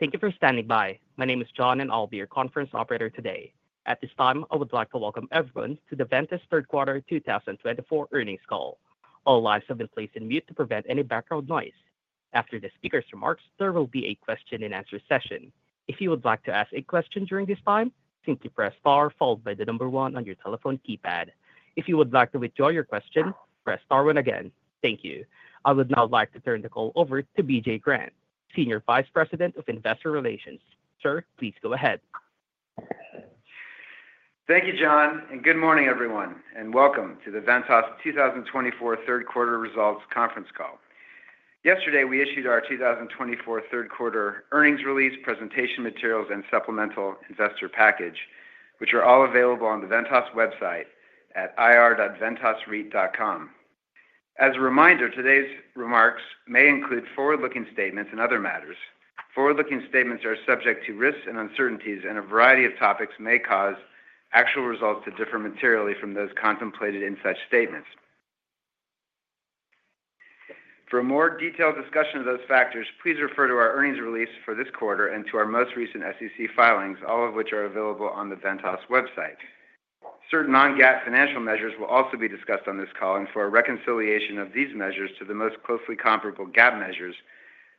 Thank you for standing by. My name is John, and I'll be your conference operator today. At this time, I would like to welcome everyone to the Ventas Q3 2024 earnings call. All lines have been placed on mute to prevent any background noise. After the speaker's remarks, there will be a question-and-answer session. If you would like to ask a question during this time, simply press star followed by number one on your telephone keypad. If you would like to withdraw your question, press star one again. Thank you. I would now like to turn the call over to BJ Grant, Senior Vice President of Investor Relations. Sir, please go ahead. Thank you, John, and good morning, everyone, and welcome to the Ventas Q3 2024 results conference call. Yesterday, we issued our Q3 2024 earnings release, presentation materials, and supplemental investor package, which are all available on the Ventas website at ir.ventasreit.com. As a reminder, today's remarks may include forward-looking statements and other matters. Forward-looking statements are subject to risks and uncertainties, and a variety of topics may cause actual results to differ materially from those contemplated in such statements. For a more detailed discussion of those factors, please refer to our earnings release for this quarter and to our most recent SEC filings, all of which are available on the Ventas website. Certain non-GAAP financial measures will also be discussed on this call, and for a reconciliation of these measures to the most closely comparable GAAP measures,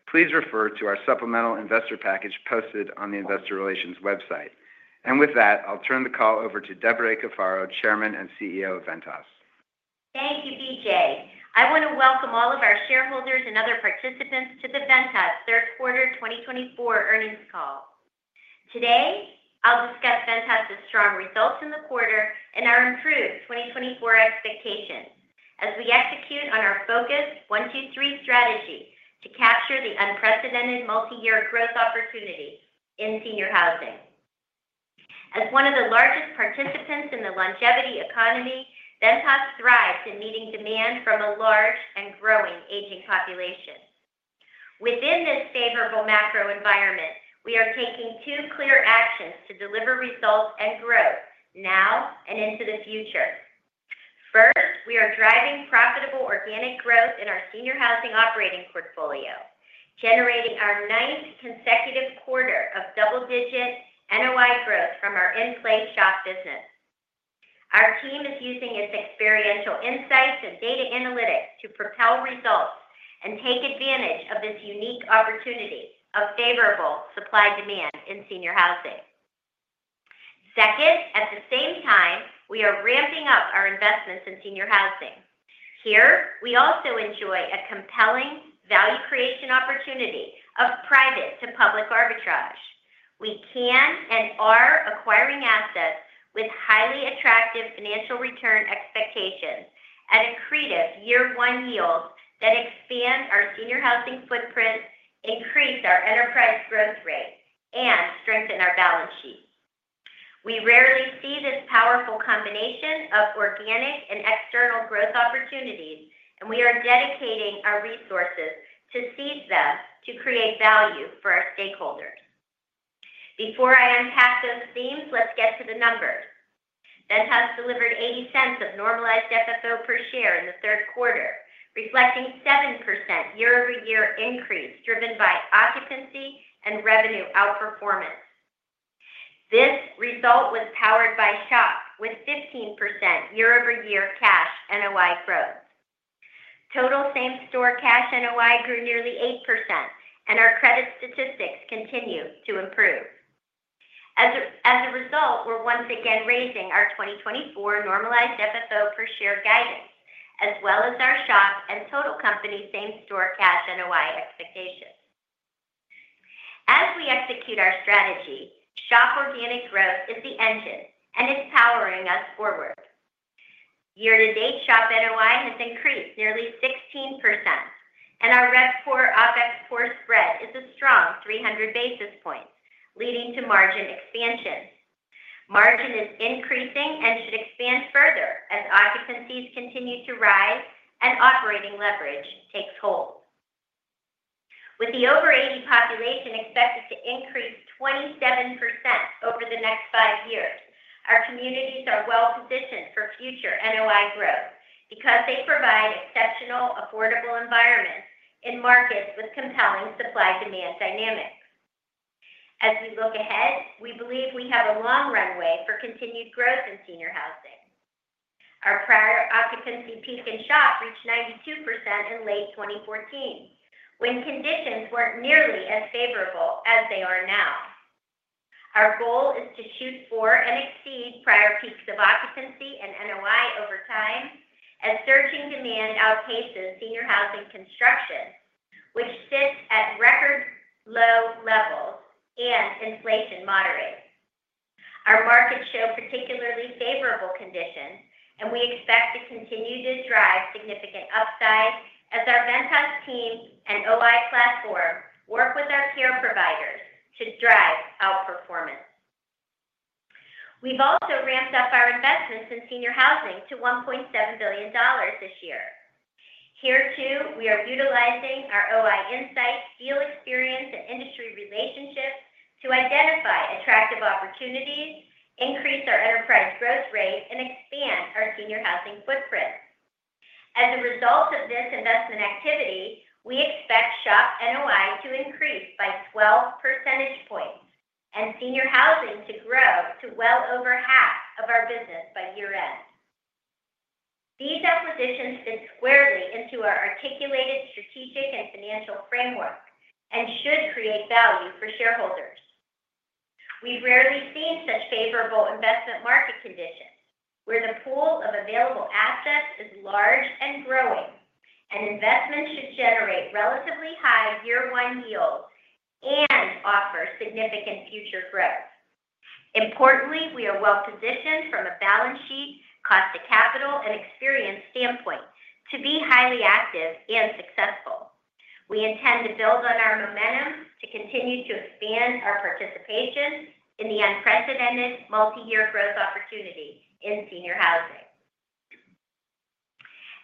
please refer to our supplemental investor package posted on the Investor Relations website. With that, I'll turn the call over to Debra A. Cafaro, Chairman and CEO of Ventas. Thank you, BJ. I want to welcome all of our shareholders and other participants to the Ventas Q3 2024 earnings call. Today, I'll discuss Ventas's strong results in the quarter and our improved 2024 expectations as we execute on our Focus 1-2-3 strategy to capture the unprecedented multi-year growth opportunity in senior housing. As one of the largest participants in the longevity economy, Ventas thrives in meeting demand from a large and growing aging population. Within this favorable macro environment, we are taking two clear actions to deliver results and growth now and into the future. First, we are driving profitable organic growth in our senior housing operating portfolio, generating our ninth consecutive quarter of double-digit NOI growth from our in-place SHOP business. Our team is using its experiential insights and data analytics to propel results and take advantage of this unique opportunity of favorable supply-demand in senior housing. Second, at the same time, we are ramping up our investments in senior housing. Here, we also enjoy a compelling value creation opportunity of private-to-public arbitrage. We can and are acquiring assets with highly attractive financial return expectations at accretive year-one yields that expand our senior housing footprint, increase our enterprise growth rate, and strengthen our balance sheets. We rarely see this powerful combination of organic and external growth opportunities, and we are dedicating our resources to seize them to create value for our stakeholders. Before I unpack those themes, let's get to the numbers. Ventas delivered $0.80 of normalized FFO per share in the third quarter, reflecting a 7% year-over-year increase driven by occupancy and revenue outperformance. This result was powered by SHOP with 15% year-over-year cash NOI growth. Total same-store cash NOI grew nearly 8%, and our credit statistics continue to improve. As a result, we're once again raising our 2024 normalized FFO per share guidance, as well as our SHOP and total company same-store cash NOI expectations. As we execute our strategy, SHOP organic growth is the engine, and it's powering us forward. Year-to-date SHOP NOI has increased nearly 16%, and our RevPOR-OpExPOR spread is a strong 300 basis points, leading to margin expansion. Margin is increasing and should expand further as occupancies continue to rise and operating leverage takes hold. With the over-80 population expected to increase 27% over the next five years, our communities are well-positioned for future NOI growth because they provide exceptional, affordable environments in markets with compelling supply-demand dynamics. As we look ahead, we believe we have a long runway for continued growth in senior housing. Our prior occupancy peak in SHOP reached 92% in late 2014, when conditions weren't nearly as favorable as they are now. Our goal is to shoot for and exceed prior peaks of occupancy and NOI over time, as surging demand outpaces senior housing construction, which sits at record-low levels and inflation moderates. Our markets show particularly favorable conditions, and we expect to continue to drive significant upside as our Ventas team and OI platform work with our peer providers to drive outperformance. We've also ramped up our investments in senior housing to $1.7 billion this year. Here, too, we are utilizing our OI insights, deal experience, and industry relationships to identify attractive opportunities, increase our enterprise growth rate, and expand our senior housing footprint. As a result of this investment activity, we expect SHOP NOI to increase by 12 percentage points and senior housing to grow to well over half of our business by year-end. These acquisitions fit squarely into our articulated strategic and financial framework and should create value for shareholders. We've rarely seen such favorable investment market conditions, where the pool of available assets is large and growing, and investments should generate relatively high year-one yields and offer significant future growth. Importantly, we are well-positioned from a balance sheet, cost-to-capital, and experience standpoint to be highly active and successful. We intend to build on our momentum to continue to expand our participation in the unprecedented multi-year growth opportunity in senior housing.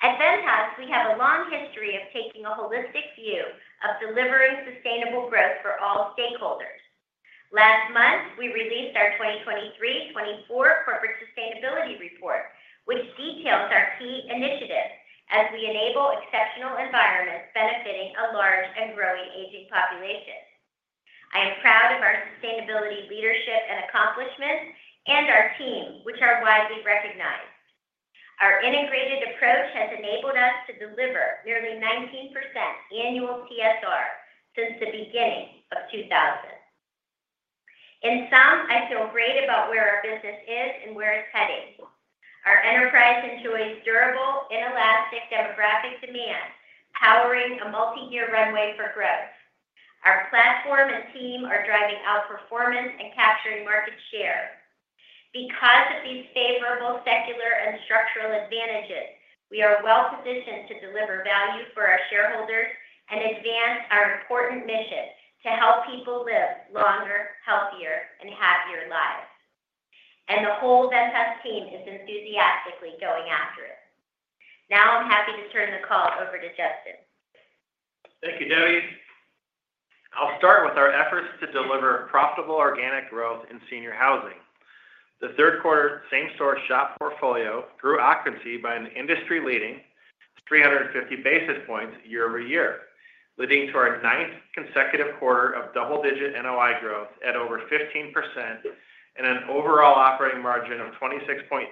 At Ventas, we have a long history of taking a holistic view of delivering sustainable growth for all stakeholders. Last month, we released our 2023-2024 Corporate Sustainability Report, which details our key initiatives as we enable exceptional environments benefiting a large and growing aging population. I am proud of our sustainability leadership and accomplishments and our team, which are widely recognized. Our integrated approach has enabled us to deliver nearly 19% annual TSR since the beginning of 2000. In sum, I feel great about where our business is and where it's heading. Our enterprise enjoys durable, inelastic demographic demand, powering a multi-year runway for growth. Our platform and team are driving outperformance and capturing market share. Because of these favorable secular and structural advantages, we are well-positioned to deliver value for our shareholders and advance our important mission to help people live longer, healthier, and happier lives, and the whole Ventas team is enthusiastically going after it. Now, I'm happy to turn the call over to Justin. Thank you, Debbie. I'll start with our efforts to deliver profitable organic growth in senior housing. The Q3 same-store SHOP portfolio grew occupancy by an industry-leading 350 basis points year-over-year, leading to our ninth consecutive quarter of double-digit NOI growth at over 15% and an overall operating margin of 26.3%,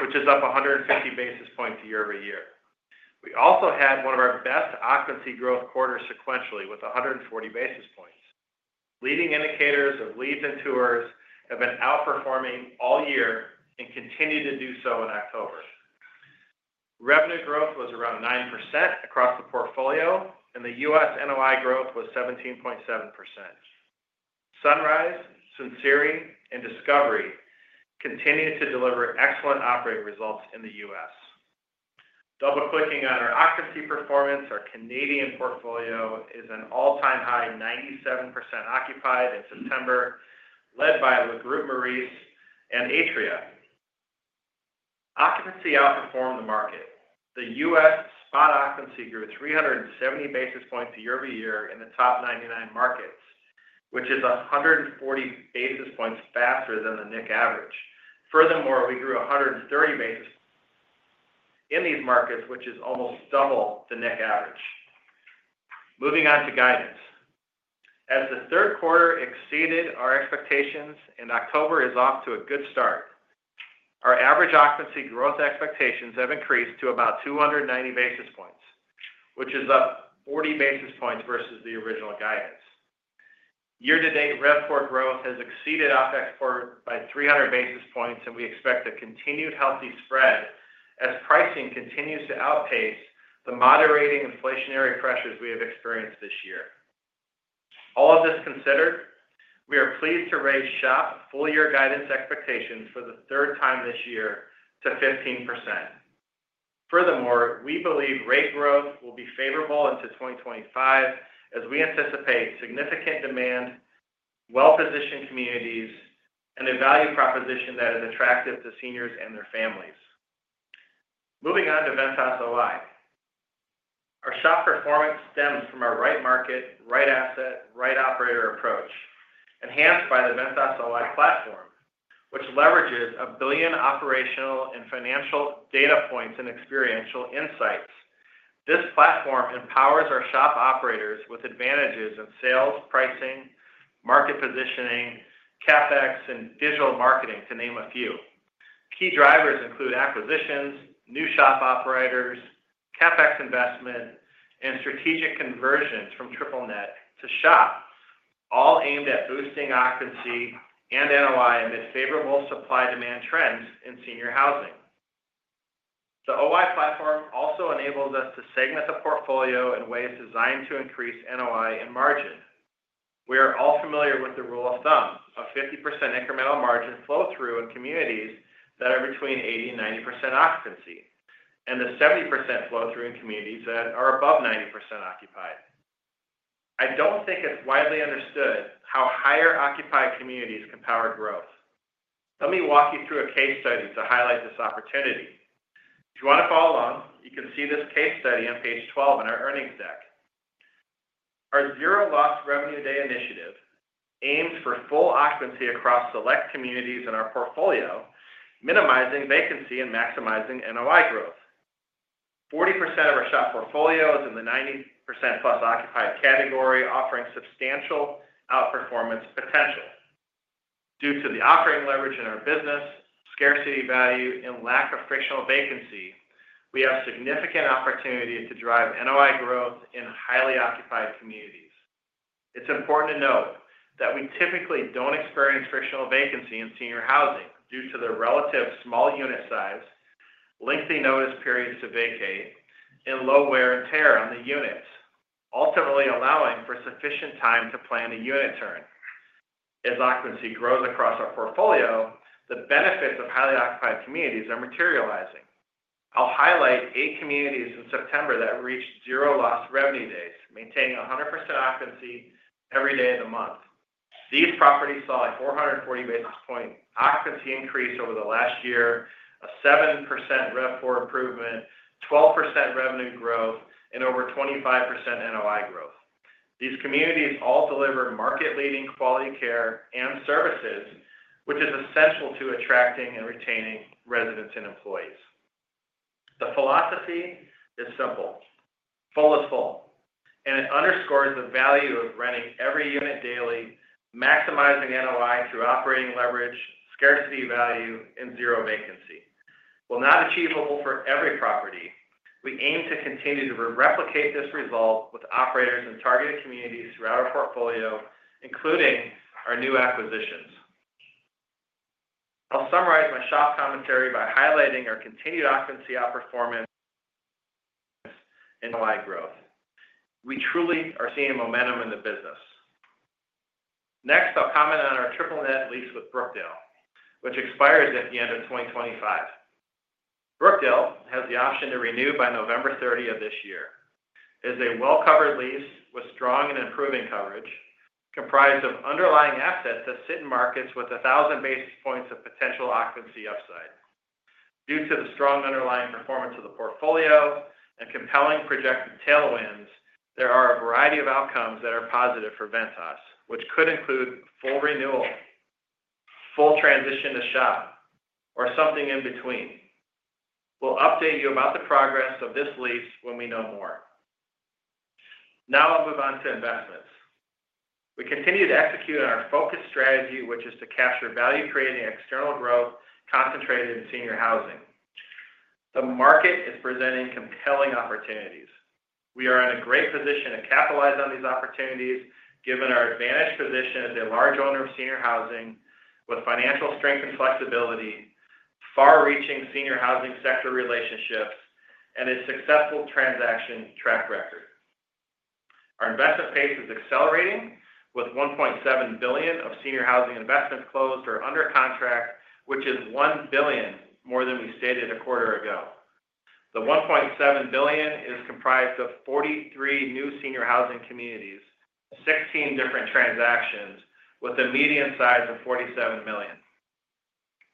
which is up 150 basis points year-over-year. We also had one of our best occupancy growth quarters sequentially with 140 basis points. Leading indicators of leads and tours have been outperforming all year and continue to do so in October. Revenue growth was around 9% across the portfolio, and the U.S. NOI growth was 17.7%. Sunrise, Sinceri, and Discovery continue to deliver excellent operating results in the U.S. Double-clicking on our occupancy performance, our Canadian portfolio is an all-time high, 97% occupied in September, led by Le Groupe Maurice and Atria. Occupancy outperformed the market. The U.S. Spot occupancy grew 370 basis points year-over-year in the top 99 markets, which is 140 basis points faster than the NIC average. Furthermore, we grew 130 basis points in these markets, which is almost double the NIC average. Moving on to guidance. As the third quarter exceeded our expectations, and October is off to a good start, our average occupancy growth expectations have increased to about 290 basis points, which is up 40 basis points versus the original guidance. Year-to-date RevPOR growth has exceeded OpExPOR by 300 basis points, and we expect a continued healthy spread as pricing continues to outpace the moderating inflationary pressures we have experienced this year. All of this considered, we are pleased to raise SHOP full-year guidance expectations for the third time this year to 15%. Furthermore, we believe rate growth will be favorable into 2025, as we anticipate significant demand, well-positioned communities, and a value proposition that is attractive to seniors and their families. Moving on to Ventas OI. Our SHOP performance stems from our right market, right asset, right operator approach, enhanced by the Ventas OI platform, which leverages a billion operational and financial data points and experiential insights. This platform empowers our SHOP operators with advantages in sales, pricing, market positioning, CapEx, and digital marketing, to name a few. Key drivers include acquisitions, new SHOP operators, CapEx investment, and strategic conversions from triple-net to SHOP, all aimed at boosting occupancy and NOI amid favorable supply-demand trends in senior housing. The OI platform also enables us to segment the portfolio in ways designed to increase NOI and margin. We are all familiar with the rule of thumb of 50% incremental margin flow-through in communities that are between 80 and 90% occupancy and the 70% flow-through in communities that are above 90% occupied. I don't think it's widely understood how higher-occupied communities can power growth. Let me walk you through a case study to highlight this opportunity. If you want to follow along, you can see this case study on page 12 in our earnings deck. Our Zero Loss Revenue Day initiative aims for full occupancy across select communities in our portfolio, minimizing vacancy and maximizing NOI growth. 40% of our SHOP portfolio is in the 90% plus occupied category, offering substantial outperformance potential. Due to the operating leverage in our business, scarcity value, and lack of frictional vacancy, we have significant opportunity to drive NOI growth in highly occupied communities. It's important to note that we typically don't experience frictional vacancy in senior housing due to the relatively small unit size, lengthy notice periods to vacate, and low wear and tear on the units, ultimately allowing for sufficient time to plan a unit turn. As occupancy grows across our portfolio, the benefits of highly occupied communities are materializing. I'll highlight eight communities in September that reached Zero Loss Revenue Days, maintaining 100% occupancy every day of the month. These properties saw a 440 basis point occupancy increase over the last year, a 7% RevPOR improvement, 12% revenue growth, and over 25% NOI growth. These communities all deliver market-leading quality care and services, which is essential to attracting and retaining residents and employees. The philosophy is simple: full is full, and it underscores the value of renting every unit daily, maximizing NOI through operating leverage, scarcity value, and zero vacancy. While not achievable for every property, we aim to continue to replicate this result with operators in targeted communities throughout our portfolio, including our new acquisitions. I'll summarize my SHOP commentary by highlighting our continued occupancy outperformance and NOI growth. We truly are seeing momentum in the business. Next, I'll comment on our triple-net lease with Brookdale, which expires at the end of 2025. Brookdale has the option to renew by November 30 of this year. It is a well-covered lease with strong and improving coverage, comprised of underlying assets that sit in markets with 1,000 basis points of potential occupancy upside. Due to the strong underlying performance of the portfolio and compelling projected tailwinds, there are a variety of outcomes that are positive for Ventas, which could include full renewal, full transition to SHOP, or something in between. We'll update you about the progress of this lease when we know more. Now, I'll move on to investments. We continue to execute on our focus strategy, which is to capture value-creating external growth concentrated in senior housing. The market is presenting compelling opportunities. We are in a great position to capitalize on these opportunities, given our advantaged position as a large owner of senior housing with financial strength and flexibility, far-reaching senior housing sector relationships, and a successful transaction track record. Our investment pace is accelerating, with $1.7 billion of senior housing investments closed or under contract, which is $1 billion more than we stated a quarter ago. The $1.7 billion is comprised of 43 new senior housing communities, 16 different transactions, with a median size of $47 million.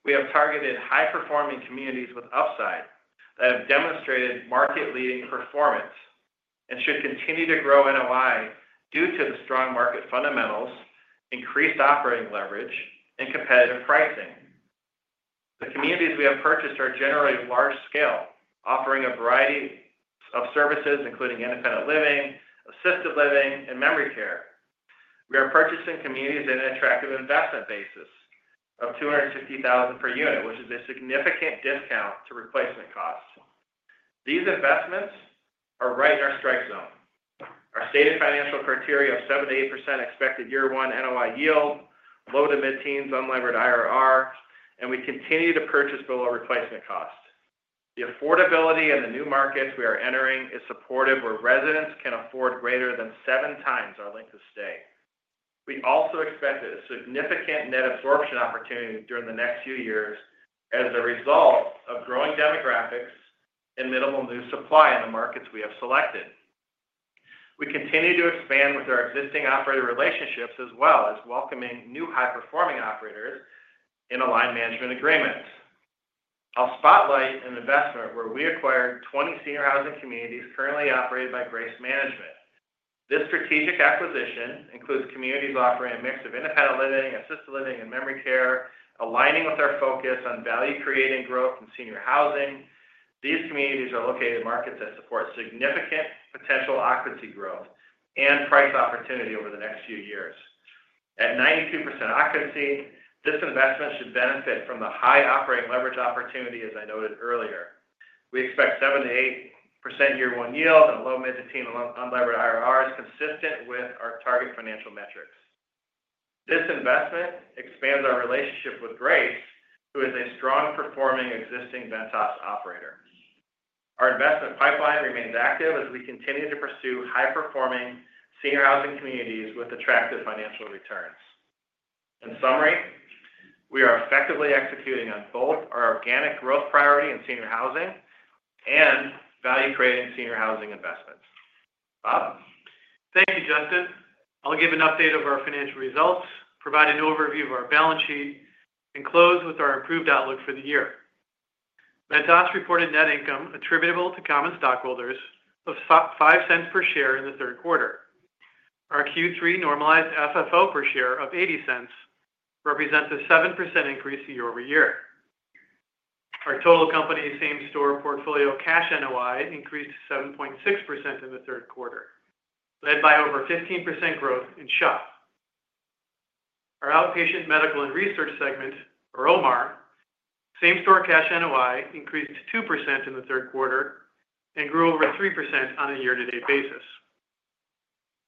We have targeted high-performing communities with upside that have demonstrated market-leading performance and should continue to grow NOI due to the strong market fundamentals, increased operating leverage, and competitive pricing. The communities we have purchased are generally large-scale, offering a variety of services, including independent living, assisted living, and memory care. We are purchasing communities at an attractive investment basis of $250,000 per unit, which is a significant discount to replacement costs. These investments are right in our strike zone. Our stated financial criteria of 7%-8% expected year-one NOI yield, low to mid-teens unlevered IRR, and we continue to purchase below replacement cost. The affordability in the new markets we are entering is supportive where residents can afford greater than seven times our length of stay. We also expect a significant net absorption opportunity during the next few years as a result of growing demographics and minimal new supply in the markets we have selected. We continue to expand with our existing operator relationships, as well as welcoming new high-performing operators aligned management agreement. I'll spotlight an investment where we acquired 20 senior housing communities currently operated by Grace Management. This strategic acquisition includes communities offering a mix of independent living, assisted living, and memory care, aligning with our focus on value-creating growth in senior housing. These communities are located in markets that support significant potential occupancy growth and price opportunity over the next few years. At 92% occupancy, this investment should benefit from the high operating leverage opportunity, as I noted earlier. We expect 7%-8% year-one yield and a low mid-to-teen unlevered IRRs consistent with our target financial metrics. This investment expands our relationship with Grace, who is a strong-performing existing Ventas operator. Our investment pipeline remains active as we continue to pursue high-performing senior housing communities with attractive financial returns. In summary, we are effectively executing on both our organic growth priority in senior housing and value-creating senior housing investments. Bob? Thank you, Justin. I'll give an update of our financial results, provide a new overview of our balance sheet, and close with our improved outlook for the year. Ventas reported net income attributable to common stockholders of $0.05 per share in the third quarter. Our Q3 normalized FFO per share of $0.80 represents a 7% increase year-over-year. Our total company same-store portfolio cash NOI increased 7.6% in the third quarter, led by over 15% growth in SHOP. Our outpatient medical and research segment, or OMR, same-store cash NOI increased 2% in the third quarter and grew over 3% on a year-to-date basis.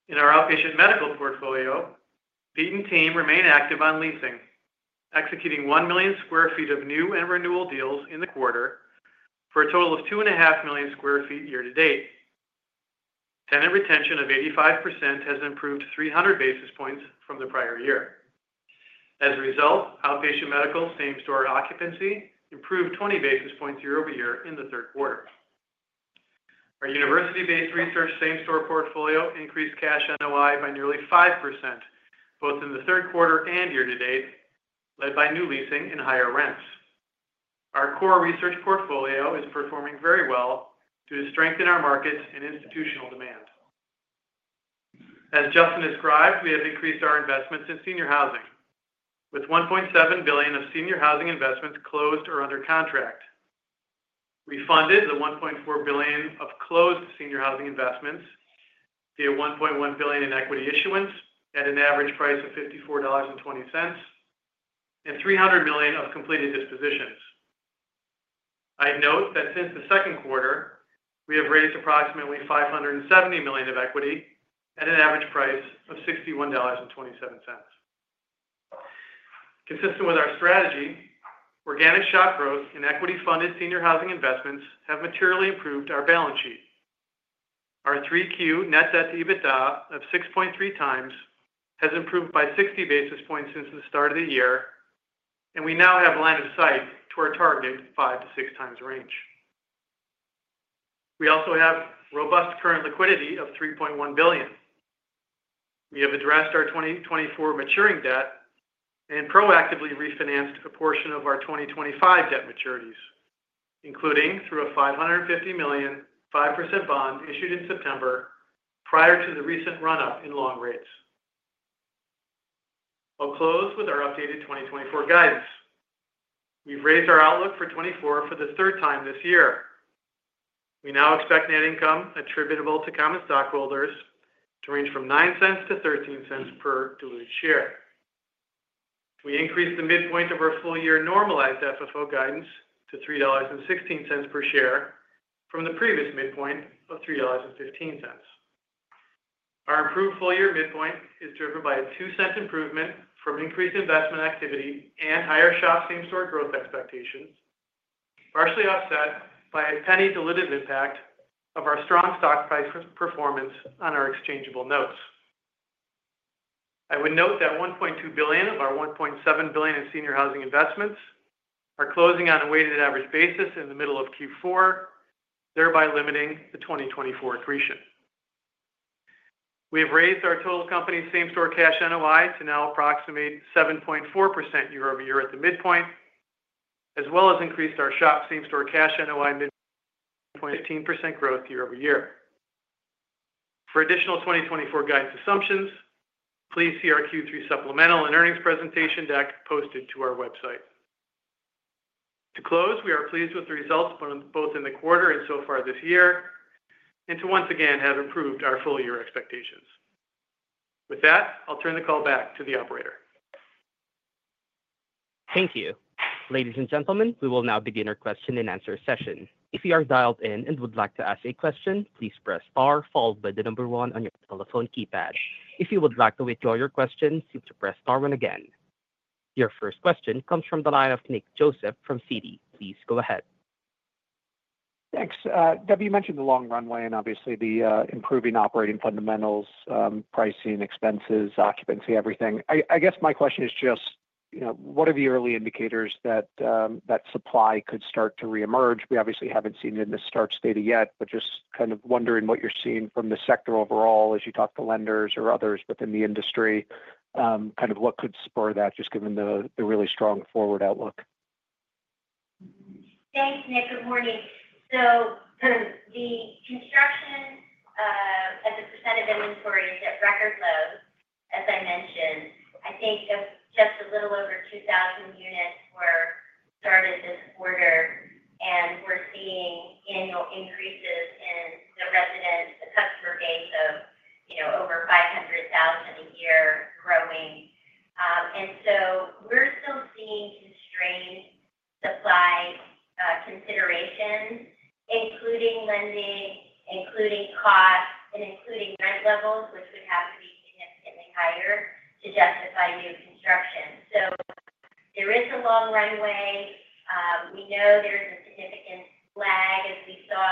In our outpatient medical portfolio, Pete and team remain active on leasing, executing 1 million sq ft of new and renewal deals in the quarter for a total of 2.5 million sq ft year-to-date. Tenant retention of 85% has improved 300 basis points from the prior year. As a result, outpatient medical same-store occupancy improved 20 basis points year-over-year in the third quarter. Our university-based research same-store portfolio increased Cash NOI by nearly 5% both in the third quarter and year-to-date, led by new leasing and higher rents. Our core research portfolio is performing very well to strengthen our markets and institutional demand. As Justin described, we have increased our investments in senior housing, with $1.7 billion of senior housing investments closed or under contract. We funded the $1.4 billion of closed senior housing investments via $1.1 billion in equity issuance at an average price of $54.20 and $300 million of completed dispositions. I note that since the second quarter, we have raised approximately $570 million of equity at an average price of $61.27. Consistent with our strategy, organic SHOP growth and equity-funded senior housing investments have materially improved our balance sheet. Our 3Q net debt to EBITDA of 6.3 times has improved by 60 basis points since the start of the year, and we now have line of sight to our targeted 5 to 6 times range. We also have robust current liquidity of $3.1 billion. We have addressed our 2024 maturing debt and proactively refinanced a portion of our 2025 debt maturities, including through a $550 million 5% bond issued in September prior to the recent run-up in long rates. I'll close with our updated 2024 guidance. We've raised our outlook for 2024 for the third time this year. We now expect net income attributable to common stockholders to range from $0.09 to $0.13 per diluted share. We increased the midpoint of our full-year normalized FFO guidance to $3.16 per share from the previous midpoint of $3.15. Our improved full-year midpoint is driven by a $0.02 improvement from increased investment activity and higher SHOP same-store growth expectations, partially offset by a $0.01-deletive impact of our strong stock price performance on our exchangeable notes. I would note that $1.2 billion of our $1.7 billion in senior housing investments are closing on a weighted average basis in the middle of Q4, thereby limiting the 2024 accretion. We have raised our total company same-store cash NOI to now approximate 7.4% year-over-year at the midpoint, as well as increased our SHOP same-store cash NOI midpoint to 15% growth year-over-year. For additional 2024 guidance assumptions, please see our Q3 supplemental and earnings presentation deck posted to our website. To close, we are pleased with the results both in the quarter and so far this year, and to once again have improved our full-year expectations. With that, I'll turn the call back to the operator. Thank you. Ladies and gentlemen, we will now begin our question and answer session. If you are dialed in and would like to ask a question, please press R followed by the number 1 on your telephone keypad. If you would like to withdraw your question, please press star 1 again. Your first question comes from the line of Nick Joseph from Citi. Please go ahead. Thanks. Deb, you mentioned the long runway and obviously the improving operating fundamentals, pricing, expenses, occupancy, everything. I guess my question is just, what are the early indicators that supply could start to reemerge? We obviously haven't seen it in the starts data yet, but just kind of wondering what you're seeing from the sector overall as you talk to lenders or others within the industry, kind of what could spur that, just given the really strong forward outlook? Thanks, Nick. Good morning. So the construction at the percent of inventory is at record low. As I mentioned, I think just a little over 2,000 units were started this quarter, and we're seeing annual increases in the resident, the customer base of over 500,000 a year growing. And so we're still seeing constrained supply considerations, including lending, including costs, and including rent levels, which would have to be significantly higher to justify new construction. So there is a long runway. We know there's a significant lag, as we saw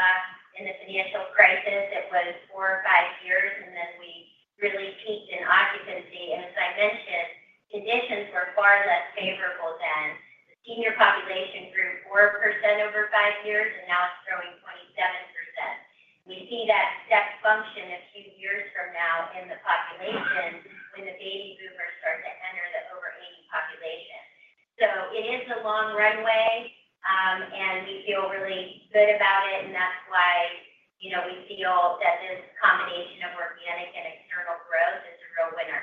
in the financial crisis that was four or five years, and then we really peaked in occupancy. And as I mentioned, conditions were far less favorable then. The senior population grew 4% over five years, and now it's growing 27%. We see that step function a few years from now in the population when the baby boomers start to enter the over-80 population. So it is a long runway, and we feel really good about it, and that's why we feel that this combination of organic and external growth is a real winner.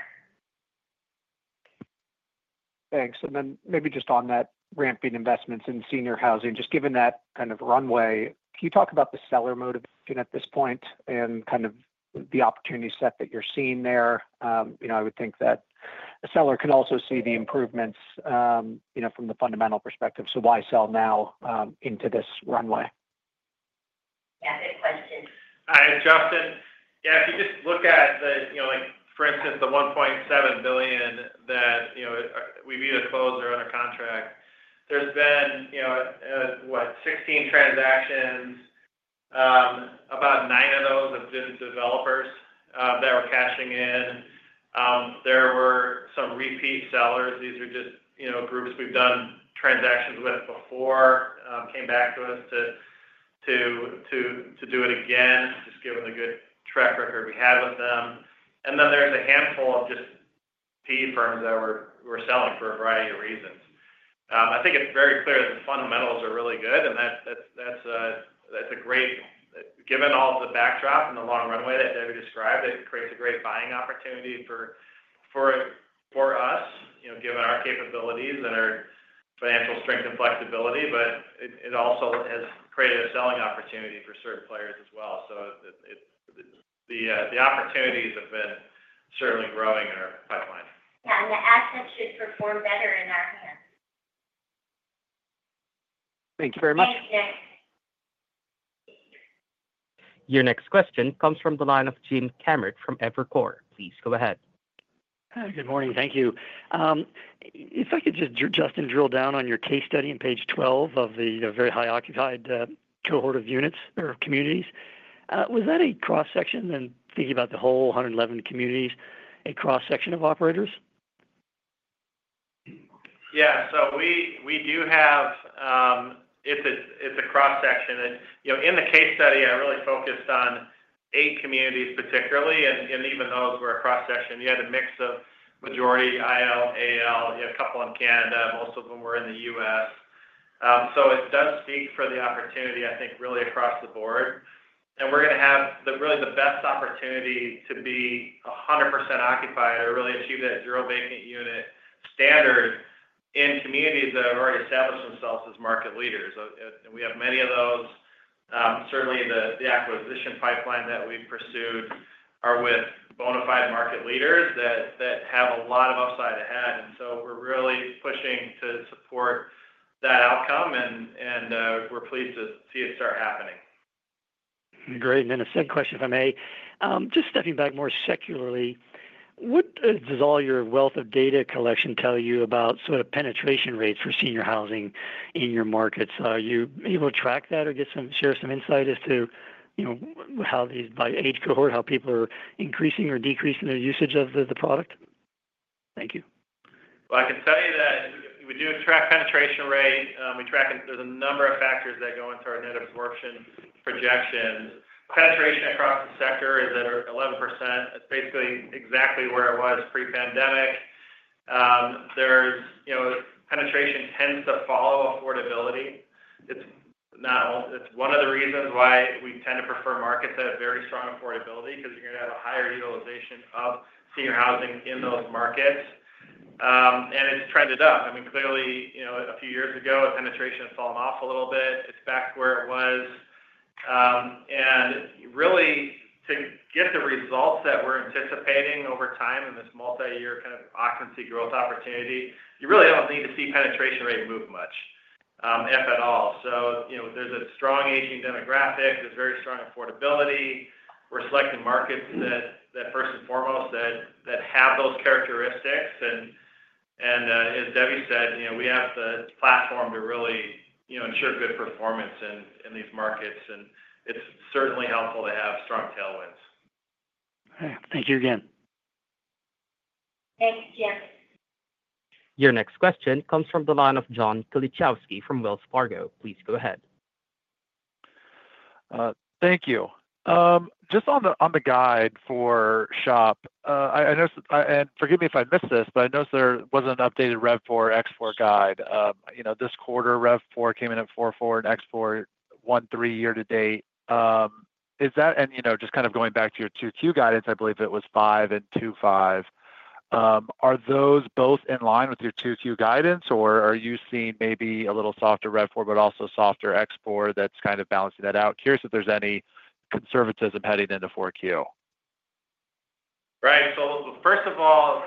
Thanks. And then maybe just on that ramping investments in senior housing, just given that kind of runway, can you talk about the seller motivation at this point and kind of the opportunity set that you're seeing there? I would think that a seller can also see the improvements from the fundamental perspective. So why sell now into this runway? Yeah, good question. Hi, it's Justin. Yeah, if you just look at, for instance, the $1.7 billion that we've either closed or under contract, there's been, what, 16 transactions, about nine of those have been developers that were cashing in. There were some repeat sellers. These are just groups we've done transactions with before, came back to us to do it again, just given the good track record we have with them. And then there's a handful of just PE firms that were selling for a variety of reasons. I think it's very clear that the fundamentals are really good, and that's great given all the backdrop and the long runway that Debbie described. It creates a great buying opportunity for us, given our capabilities and our financial strength and flexibility, but it also has created a selling opportunity for certain players as well. The opportunities have been certainly growing in our pipeline. Yeah, and the assets should perform better in our hands. Thank you very much. Thanks, Nick. Your next question comes from the line of Jim Kammert from Evercore. Please go ahead. Hi, good morning. Thank you. If I could just, Justin, drill down on your case study in page 12 of the very high-occupied cohort of units or communities, was that a cross-section, and thinking about the whole 111 communities, a cross-section of operators? Yeah. So we do have. It's a cross-section. In the case study, I really focused on eight communities particularly, and even those were a cross-section. You had a mix of majority IL, AL, a couple in Canada, most of them were in the U.S. So it does speak for the opportunity, I think, really across the board. And we're going to have really the best opportunity to be 100% occupied or really achieve that zero-vacant unit standard in communities that have already established themselves as market leaders. And we have many of those. Certainly, the acquisition pipeline that we've pursued are with bona fide market leaders that have a lot of upside ahead. And so we're really pushing to support that outcome, and we're pleased to see it start happening. Great. And then a second question, if I may. Just stepping back more secularly, what does all your wealth of data collection tell you about sort of penetration rates for senior housing in your markets? Are you able to track that or share some insight as to how these, by age cohort, how people are increasing or decreasing their usage of the product? Thank you. I can tell you that we do track penetration rate. There's a number of factors that go into our net absorption projections. Penetration across the sector is at 11%. It's basically exactly where it was pre-pandemic. Penetration tends to follow affordability. It's one of the reasons why we tend to prefer markets that have very strong affordability because you're going to have a higher utilization of senior housing in those markets. And it's trended up. I mean, clearly, a few years ago, penetration had fallen off a little bit. It's back to where it was. And really, to get the results that we're anticipating over time in this multi-year kind of occupancy growth opportunity, you really don't need to see penetration rate move much, if at all. So there's a strong aging demographic. There's very strong affordability. We're selecting markets that, first and foremost, have those characteristics. As Debbie said, we have the platform to really ensure good performance in these markets. It's certainly helpful to have strong tailwinds. All right. Thank you again. Thanks, Jim. Your next question comes from the line of John Kilichowski from Wells Fargo. Please go ahead. Thank you. Just on the guide for SHOP, and forgive me if I missed this, but I noticed there wasn't an updated RevPOR, OpExPOR guide. This quarter, RevPOR came in at 4.4% and OpExPOR 1.3% year-to-date. And just kind of going back to your 2Q guidance, I believe it was 5% and 2.5%. Are those both in line with your 2Q guidance, or are you seeing maybe a little softer RevPOR but also softer OpExPOR that's kind of balancing that out? Curious if there's any conservatism heading into 4Q. Right. So first of all,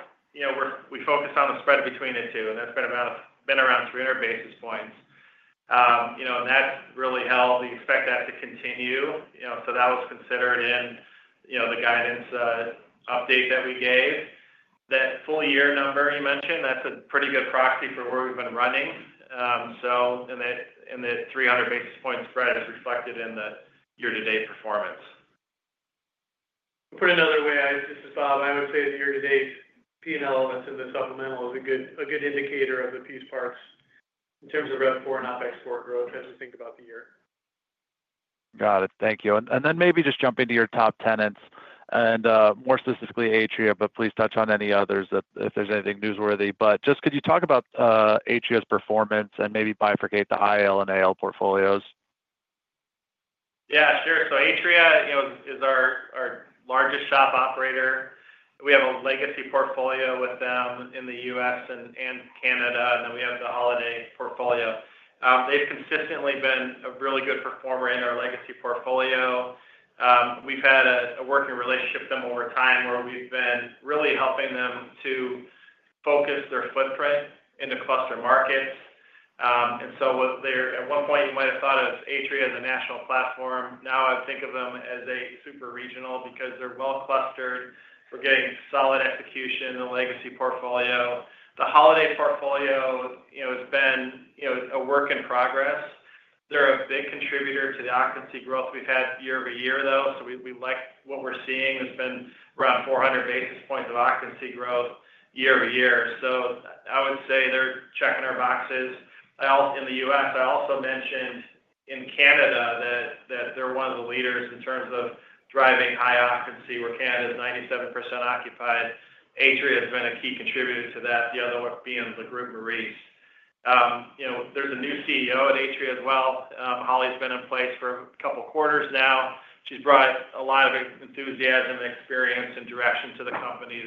we focus on the spread between the two, and that's been around 300 basis points. And that's really how we expect that to continue. So that was considered in the guidance update that we gave. That full-year number you mentioned, that's a pretty good proxy for where we've been running. And that 300 basis point spread is reflected in the year-to-date performance. To put it another way, I would say the year-to-date P&L elements in the supplemental is a good indicator of the piece parts in terms of RevPOR and OpExPOR growth as we think about the year. Got it. Thank you. And then maybe just jump into your top tenants and more specifically Atria, but please touch on any others if there's anything newsworthy. But just could you talk about Atria's performance and maybe bifurcate the IL and AL portfolios? Yeah, sure. So Atria is our largest SHOP operator. We have a legacy portfolio with them in the U.S. and Canada, and then we have the holiday portfolio. They've consistently been a really good performer in our legacy portfolio. We've had a working relationship with them over time where we've been really helping them to focus their footprint into cluster markets. And so at one point, you might have thought of Atria as a national platform. Now I think of them as a super regional because they're well clustered. We're getting solid execution in the legacy portfolio. The holiday portfolio has been a work in progress. They're a big contributor to the occupancy growth we've had year over year, though. So we like what we're seeing. There's been around 400 basis points of occupancy growth year-over-year. So I would say they're checking our boxes. In the U.S., I also mentioned in Canada that they're one of the leaders in terms of driving high occupancy where Canada is 97% occupied. Atria has been a key contributor to that, the other one being Le Groupe Maurice. There's a new CEO at Atria as well. Holly's been in place for a couple of quarters now. She's brought a lot of enthusiasm and experience and direction to the company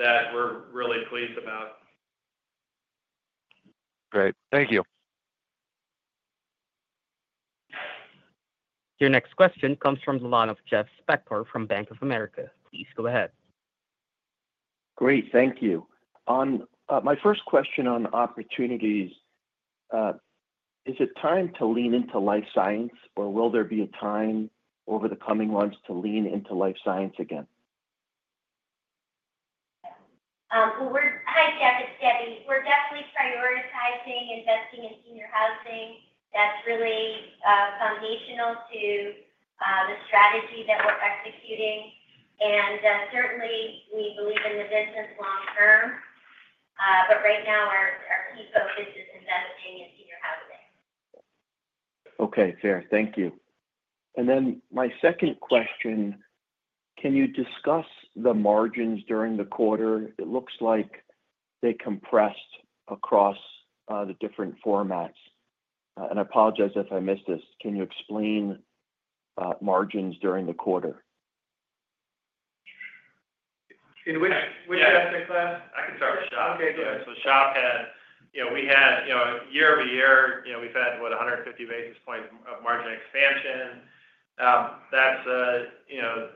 that we're really pleased about. Great. Thank you. Your next question comes from the line of Jeff Spector from Bank of America. Please go ahead. Great. Thank you. My first question on opportunities: Is it time to lean into life science, or will there be a time over the coming months to lean into life science again? Hi, Jeff. It's Debbie. We're definitely prioritizing investing in senior housing. That's really foundational to the strategy that we're executing. And certainly, we believe in the business long term, but right now, our key focus is investing in senior housing. Okay. Fair. Thank you. And then my second question: Can you discuss the margins during the quarter? It looks like they compressed across the different formats. And I apologize if I missed this. Can you explain margins during the quarter? Can you repeat that, Spector? I can start with SHOP. So SHOP had year over year we've had 150 basis points of margin expansion. That's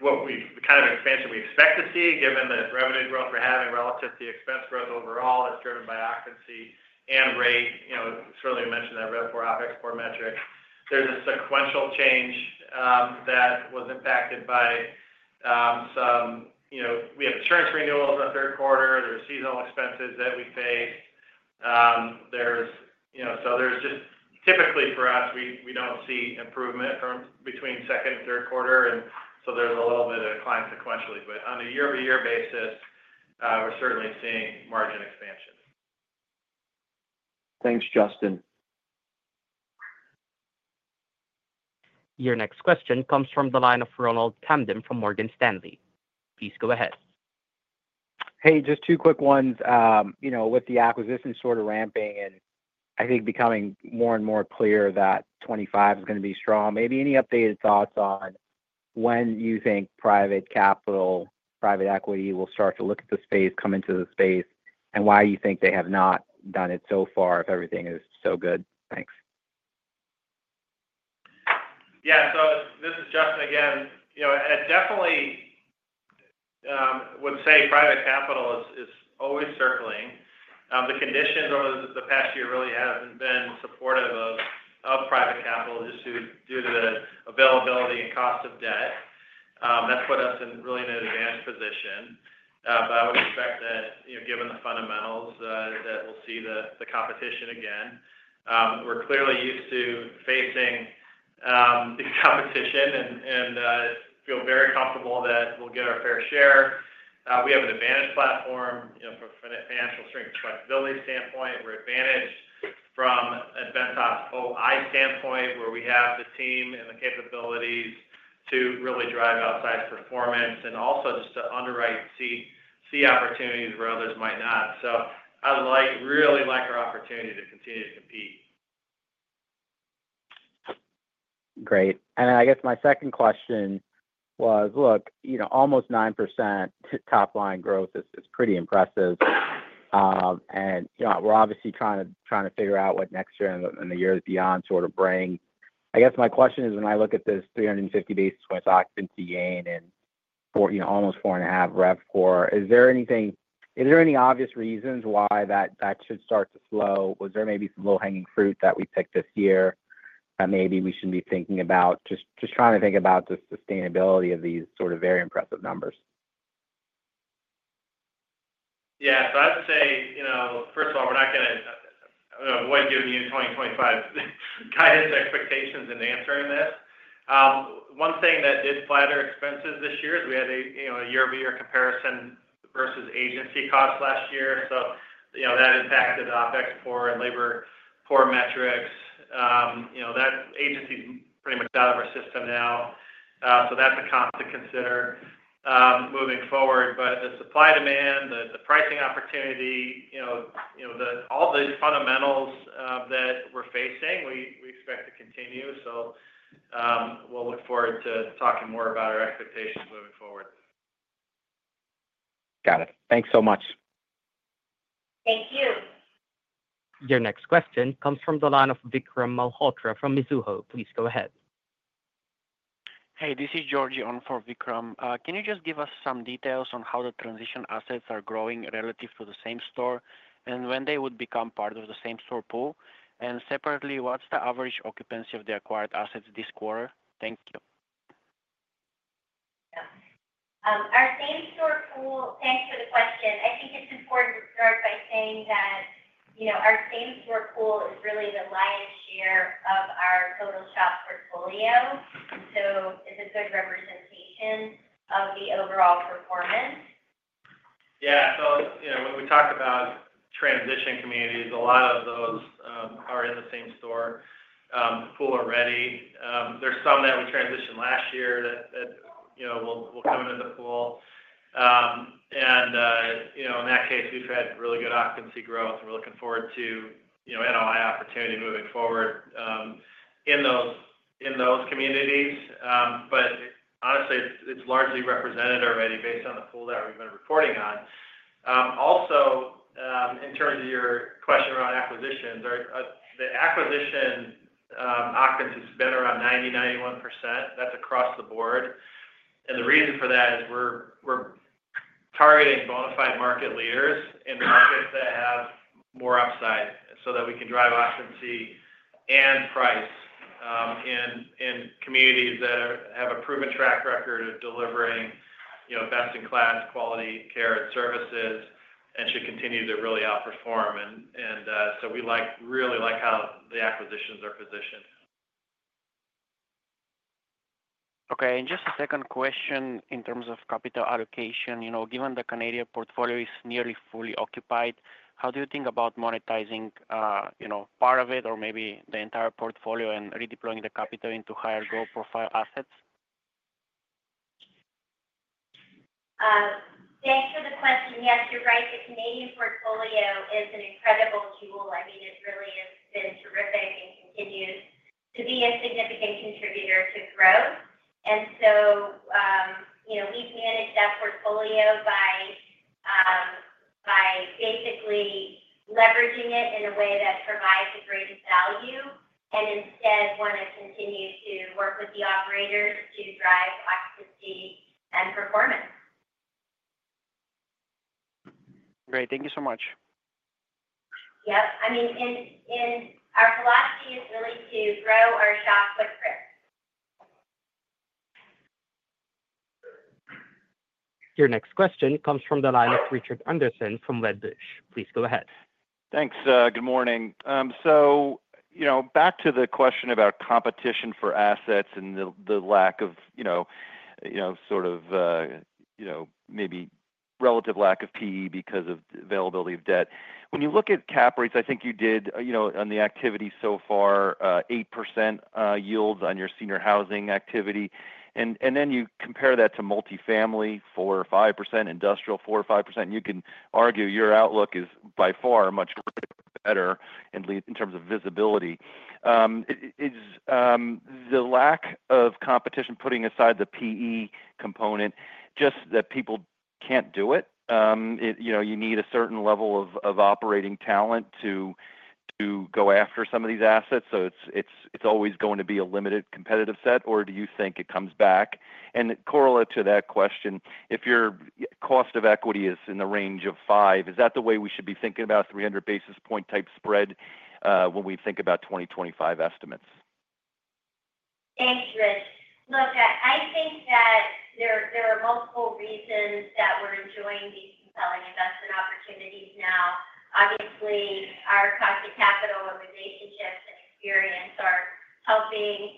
what kind of expansion we expect to see, given the revenue growth we're having relative to the expense growth overall that's driven by occupancy and rate. Certainly, you mentioned that RevPOR, OpExPOR metric. There's a sequential change that was impacted by some. We have insurance renewals in the third quarter. There are seasonal expenses that we faced. So there's just typically for us, we don't see improvement between second and third quarter. And so there's a little bit of decline sequentially. But on a year-over-year basis, we're certainly seeing margin expansion. Thanks, Justin. Your next question comes from the line of Ronald Kamdem from Morgan Stanley. Please go ahead. Hey, just two quick ones. With the acquisition sort of ramping and I think becoming more and more clear that 2025 is going to be strong, maybe any updated thoughts on when you think private capital, private equity will start to look at the space, come into the space, and why you think they have not done it so far if everything is so good? Thanks. Yeah. So this is Justin again. I definitely would say private capital is always circling. The conditions over the past year really haven't been supportive of private capital just due to the availability and cost of debt. That's put us really in an advantage position. But I would expect that given the fundamentals that we'll see the competition again. We're clearly used to facing the competition and feel very comfortable that we'll get our fair share. We have an advantage platform from a financial strength and flexibility standpoint. We're advantaged from a Ventas OI standpoint where we have the team and the capabilities to really drive outsized performance and also just to underwrite and see opportunities where others might not. So I really like our opportunity to continue to compete. Great. And I guess my second question was, look, almost 9% top-line growth is pretty impressive. And we're obviously trying to figure out what next year and the years beyond sort of bring. I guess my question is, when I look at this 350 basis point occupancy gain and almost 4.5 Rev 4, is there any obvious reasons why that should start to slow? Was there maybe some low-hanging fruit that we picked this year that maybe we should be thinking about? Just trying to think about the sustainability of these sort of very impressive numbers. Yeah. So I'd say, first of all, we're not going to avoid giving you 2025 guidance expectations in answering this. One thing that did flatter expenses this year is we had a year-over-year comparison versus agency costs last year. So that impacted OpExPOR and LaborPOR metrics. That agency is pretty much out of our system now. So that's a comp to consider moving forward. But the supply demand, the pricing opportunity, all the fundamentals that we're facing, we expect to continue. So we'll look forward to talking more about our expectations moving forward. Got it. Thanks so much. Thank you. Your next question comes from the line of Vikram Malhotra from Mizuho. Please go ahead. Hey, this is Georgi on for Vikram. Can you just give us some details on how the transition assets are growing relative to the same store and when they would become part of the same store pool? And separately, what's the average occupancy of the acquired assets this quarter? Thank you. Our same store pool, thanks for the question. I think it's important to start by saying that our same store pool is really the lion's share of our total SHOP portfolio. So it's a good representation of the overall performance. Yeah. So when we talk about transition communities, a lot of those are in the same store pool already. There's some that we transitioned last year that will come into the pool. And in that case, we've had really good occupancy growth. We're looking forward to NOI opportunity moving forward in those communities. But honestly, it's largely represented already based on the pool that we've been reporting on. Also, in terms of your question around acquisitions, the acquisition occupancy has been around 90%-91%. That's across the board. And the reason for that is we're targeting bona fide market leaders in markets that have more upside so that we can drive occupancy and price in communities that have a proven track record of delivering best-in-class quality care and services and should continue to really outperform. And so we really like how the acquisitions are positioned. Okay, and just a second question in terms of capital allocation. Given the Canadian portfolio is nearly fully occupied, how do you think about monetizing part of it or maybe the entire portfolio and redeploying the capital into higher growth profile assets? Thanks for the question. Yes, you're right. The Canadian portfolio is an incredible tool. I mean, it really has been terrific and continues to be a significant contributor to growth. And so we've managed that portfolio by basically leveraging it in a way that provides the greatest value and instead want to continue to work with the operators to drive occupancy and performance. Great. Thank you so much. Yep. I mean, our philosophy is really to grow our SHOP footprint. Your next question comes from the line of Richard Anderson from Wedbush. Please go ahead. Thanks. Good morning. So back to the question about competition for assets and the lack of sort of maybe relative lack of PE because of the availability of debt. When you look at cap rates, I think you did on the activity so far, 8% yields on your senior housing activity. And then you compare that to multifamily, 4% or 5%, industrial, 4% or 5%. You can argue your outlook is by far much better in terms of visibility. Is the lack of competition, putting aside the PE component, just that people can't do it? You need a certain level of operating talent to go after some of these assets. So it's always going to be a limited competitive set, or do you think it comes back? Correlate to that question, if your cost of equity is in the range of five, is that the way we should be thinking about 300 basis points type spread when we think about 2025 estimates? Thanks, Rich. Look, I think that there are multiple reasons that we're enjoying these compelling investment opportunities now. Obviously, our cost of capital and relationships and experience are helping,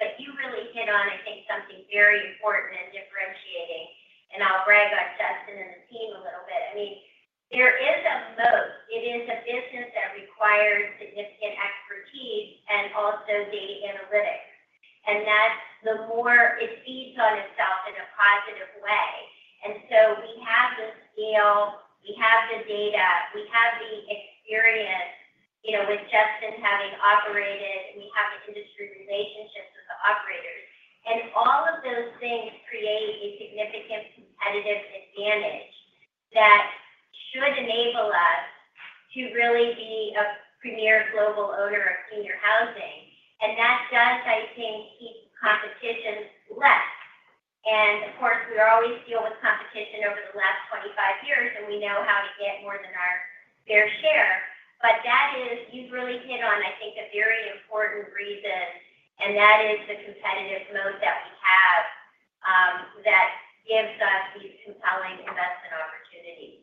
but you really hit on, I think, something very important and differentiating, and I'll brag on Justin and the team a little bit. I mean, there is a moat. It is a business that requires significant expertise and also data analytics, and that's the moat it feeds on itself in a positive way, and so we have the scale. We have the data. We have the experience with Justin having operated. We have the industry relationships with the operators, and all of those things create a significant competitive advantage that should enable us to really be a premier global owner of senior housing, and that does, I think, keep competition less. And of course, we always deal with competition over the last 25 years, and we know how to get more than our fair share. But you've really hit on, I think, a very important reason, and that is the competitive moat that we have that gives us these compelling investment opportunities.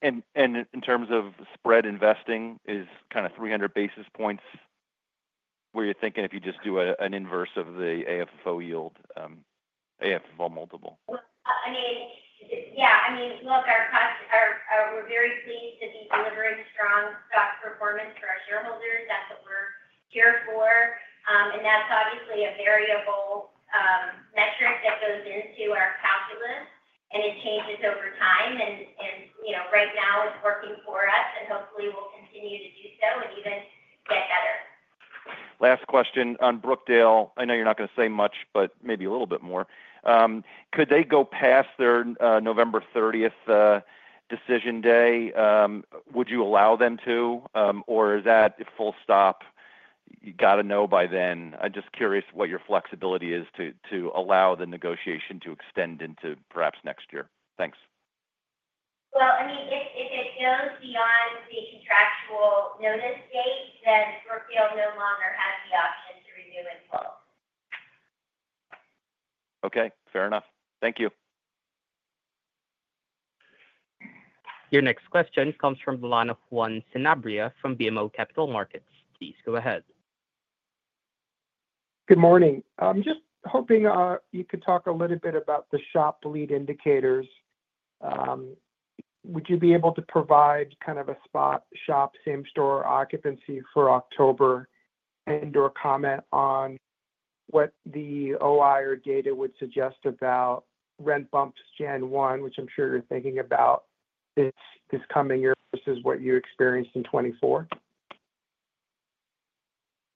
In terms of spread investing, is kind of 300 basis points where you're thinking if you just do an inverse of the AFFO yield, AFFO multiple? I mean, yeah. I mean, look, we're very pleased to be delivering strong stock performance for our shareholders. That's what we're here for. And that's obviously a variable metric that goes into our calculus, and it changes over time. And right now, it's working for us, and hopefully, we'll continue to do so and even get better. Last question on Brookdale. I know you're not going to say much, but maybe a little bit more. Could they go past their November 30th decision day? Would you allow them to, or is that a full stop? You got to know by then. I'm just curious what your flexibility is to allow the negotiation to extend into perhaps next year. Thanks. Well, I mean, if it goes beyond the contractual notice date, then Brookdale no longer has the option to renew as well. Okay. Fair enough. Thank you. Your next question comes from the line of Juan Sanabria from BMO Capital Markets. Please go ahead. Good morning. I'm just hoping you could talk a little bit about the SHOP lead indicators. Would you be able to provide kind of a spot SHOP same store occupancy for October and/or comment on what the OI or data would suggest about rent bumps Jan 1, which I'm sure you're thinking about this coming year versus what you experienced in 2024?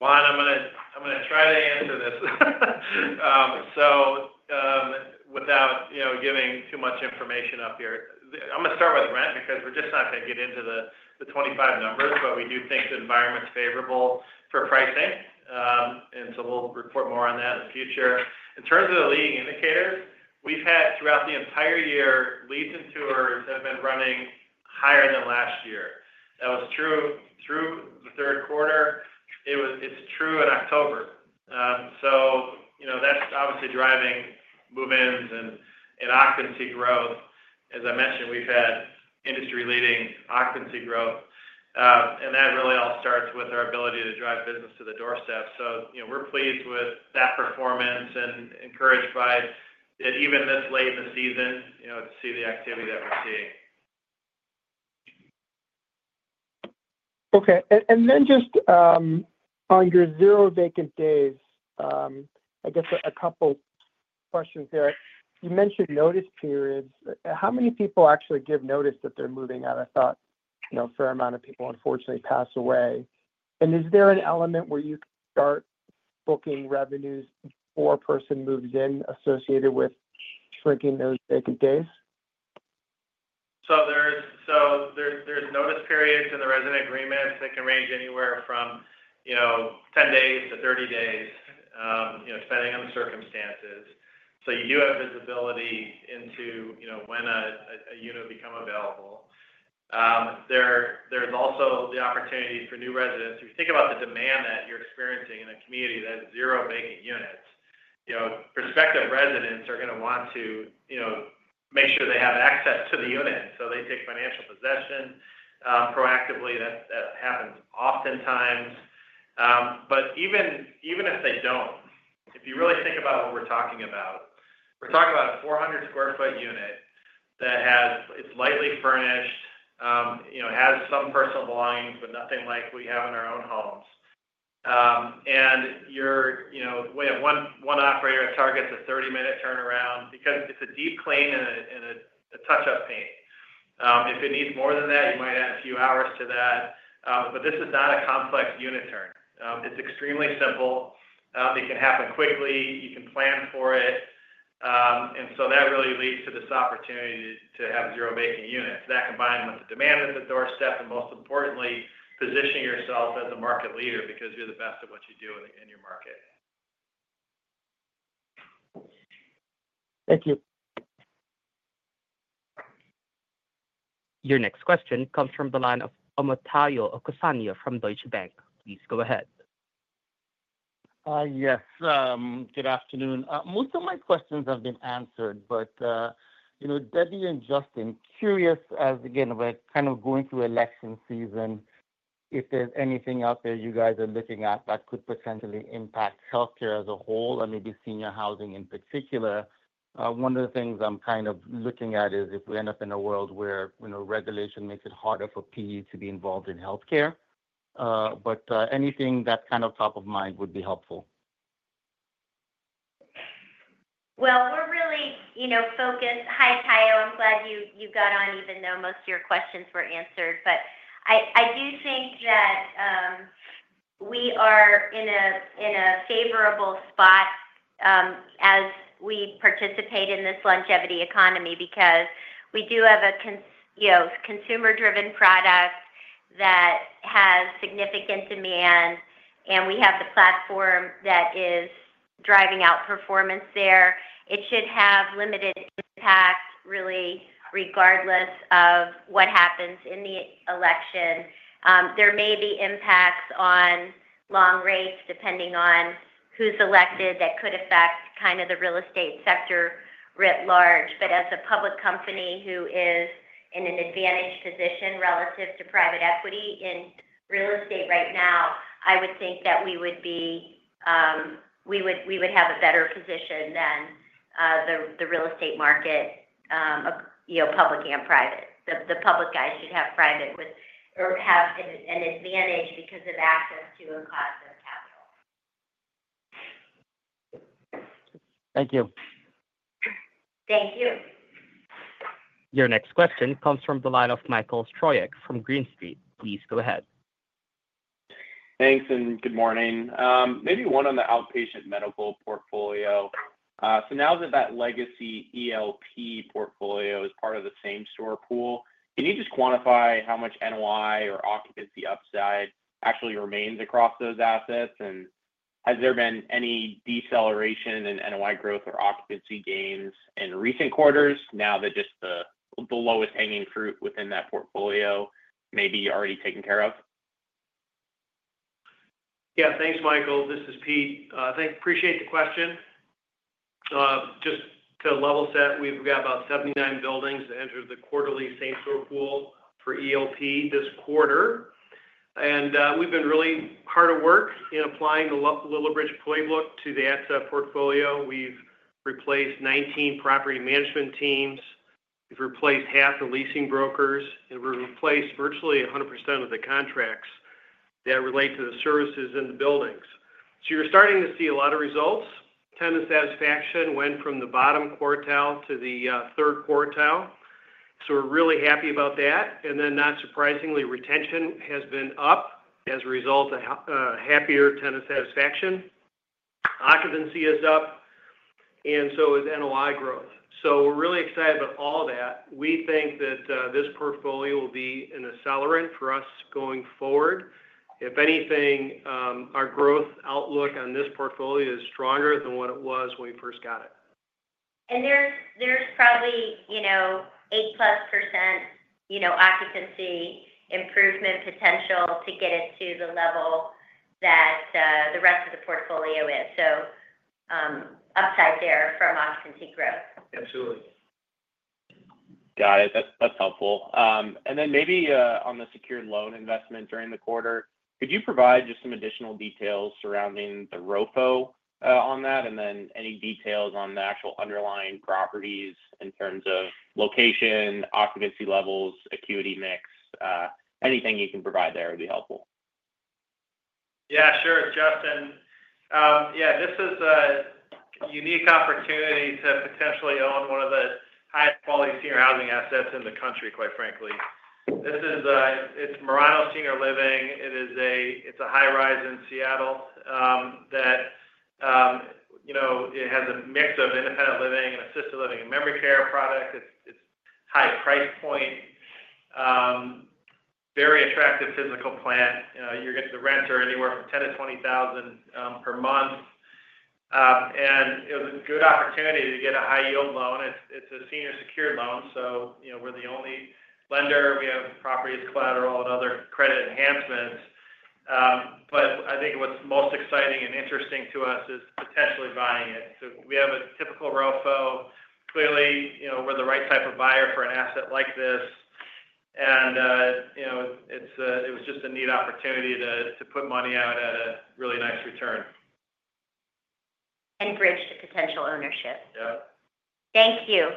I'm going to try to answer this without giving too much information up here. I'm going to start with rent because we're just not going to get into the 2025 numbers, but we do think the environment's favorable for pricing. So we'll report more on that in the future. In terms of the leading indicators, we've had, throughout the entire year, leads and tours have been running higher than last year. That was true through the third quarter. It's true in October. That's obviously driving move-ins and occupancy growth. As I mentioned, we've had industry-leading occupancy growth. That really all starts with our ability to drive business to the doorstep. We're pleased with that performance and encouraged by it even this late in the season to see the activity that we're seeing. Okay. And then just on your zero vacant days, I guess a couple of questions there. You mentioned notice periods. How many people actually give notice that they're moving out? I thought a fair amount of people, unfortunately, pass away. And is there an element where you start booking revenues before a person moves in associated with shrinking those vacant days? There's notice periods and the resident agreements. They can range anywhere from 10 days to 30 days, depending on the circumstances. You do have visibility into when a unit will become available. There's also the opportunity for new residents. If you think about the demand that you're experiencing in a community that has zero vacant units, prospective residents are going to want to make sure they have access to the unit. They take financial possession proactively. That happens oftentimes. Even if they don't, if you really think about what we're talking about, we're talking about a 400 sq ft unit that is lightly furnished, has some personal belongings, but nothing like we have in our own homes. We have one operator that targets a 30-minute turnaround because it's a deep clean and a touch-up paint. If it needs more than that, you might add a few hours to that. But this is not a complex unit turn. It's extremely simple. It can happen quickly. You can plan for it. And so that really leads to this opportunity to have zero vacant units. That combined with the demand at the doorstep and, most importantly, positioning yourself as a market leader because you're the best at what you do in your market. Thank you. Your next question comes from the line of Omotayo Okusanya from Deutsche Bank. Please go ahead. Yes. Good afternoon. Most of my questions have been answered. But Debbie and Justin, curious, as again, we're kind of going through election season, if there's anything out there you guys are looking at that could potentially impact healthcare as a whole and maybe senior housing in particular, one of the things I'm kind of looking at is if we end up in a world where regulation makes it harder for PE to be involved in healthcare. But anything that's kind of top of mind would be helpful. We're really focused. Hi, Tayo. I'm glad you got on, even though most of your questions were answered. I do think that we are in a favorable spot as we participate in this longevity economy because we do have a consumer-driven product that has significant demand, and we have the platform that is driving out performance there. It should have limited impact, really, regardless of what happens in the election. There may be impacts on long rates depending on who's elected that could affect kind of the real estate sector writ large. As a public company who is in an advantaged position relative to private equity in real estate right now, I would think that we would have a better position than the real estate market, public and private. The public guys should have private or have an advantage because of access to and cost of capital. Thank you. Thank you. Your next question comes from the line of Michael Stroyeck from Green Street. Please go ahead. Thanks. And good morning. Maybe one on the outpatient medical portfolio. So now that that legacy ELP portfolio is part of the same store pool, can you just quantify how much NOI or occupancy upside actually remains across those assets? And has there been any deceleration in NOI growth or occupancy gains in recent quarters now that just the lowest hanging fruit within that portfolio may be already taken care of? Yeah. Thanks, Michael. This is Pete. I appreciate the question. Just to level set, we've got about 79 buildings that entered the quarterly same store pool for ELP this quarter. And we've been really hard at work in applying the Lillibridge Playbook to the ARC portfolio. We've replaced 19 property management teams. We've replaced half the leasing brokers. And we've replaced virtually 100% of the contracts that relate to the services in the buildings. So you're starting to see a lot of results. Tenant satisfaction went from the bottom quartile to the third quartile. So we're really happy about that. And then, not surprisingly, retention has been up as a result of happier tenant satisfaction. Occupancy is up. And so is NOI growth. So we're really excited about all that. We think that this portfolio will be an accelerant for us going forward. If anything, our growth outlook on this portfolio is stronger than what it was when we first got it. And there's probably 8-plus% occupancy improvement potential to get it to the level that the rest of the portfolio is. So upside there from occupancy growth. Absolutely. Got it. That's helpful. And then maybe on the secured loan investment during the quarter, could you provide just some additional details surrounding the ROFO on that? And then any details on the actual underlying properties in terms of location, occupancy levels, acuity mix? Anything you can provide there would be helpful. Yeah. Sure. it's Justin. Yeah. This is a unique opportunity to potentially own one of the highest-quality senior housing assets in the country, quite frankly. It's Murano Senior Living. It's a high-rise in Seattle that has a mix of independent living and assisted living and memory care products. It's a high price point, very attractive physical plant. You're going to rent for anywhere from $10,000-$20,000 per month. And it was a good opportunity to get a high-yield loan. It's a senior-secured loan. So we're the only lender. We have properties, collateral, and other credit enhancements. But I think what's most exciting and interesting to us is potentially buying it. So we have a typical ROFO. Clearly, we're the right type of buyer for an asset like this. And it was just a neat opportunity to put money out at a really nice return. And bridge to potential ownership. Yep. Thank you. All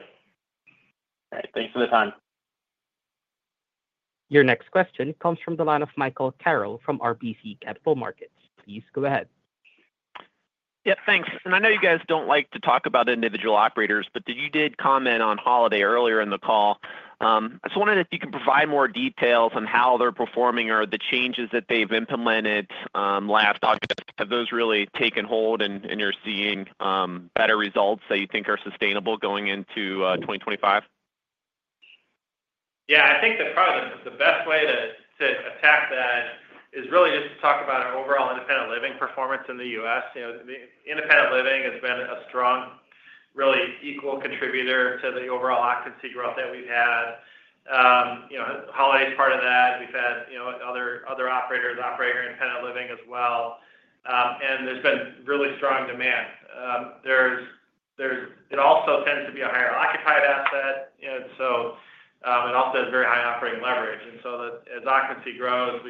right. Thanks for the time. Your next question comes from the line of Michael Carroll from RBC Capital Markets. Please go ahead. Yeah. Thanks. And I know you guys don't like to talk about individual operators, but you did comment on Holiday earlier in the call. I just wanted if you could provide more details on how they're performing or the changes that they've implemented last August. Have those really taken hold, and you're seeing better results that you think are sustainable going into 2025? Yeah. I think that probably the best way to attack that is really just to talk about our overall independent living performance in the U.S. Independent living has been a strong, really equal contributor to the overall occupancy growth that we've had. Holiday is part of that. We've had other operators operating independent living as well. And there's been really strong demand. It also tends to be a higher-occupied asset. And so it also has very high operating leverage. And so as occupancy grows,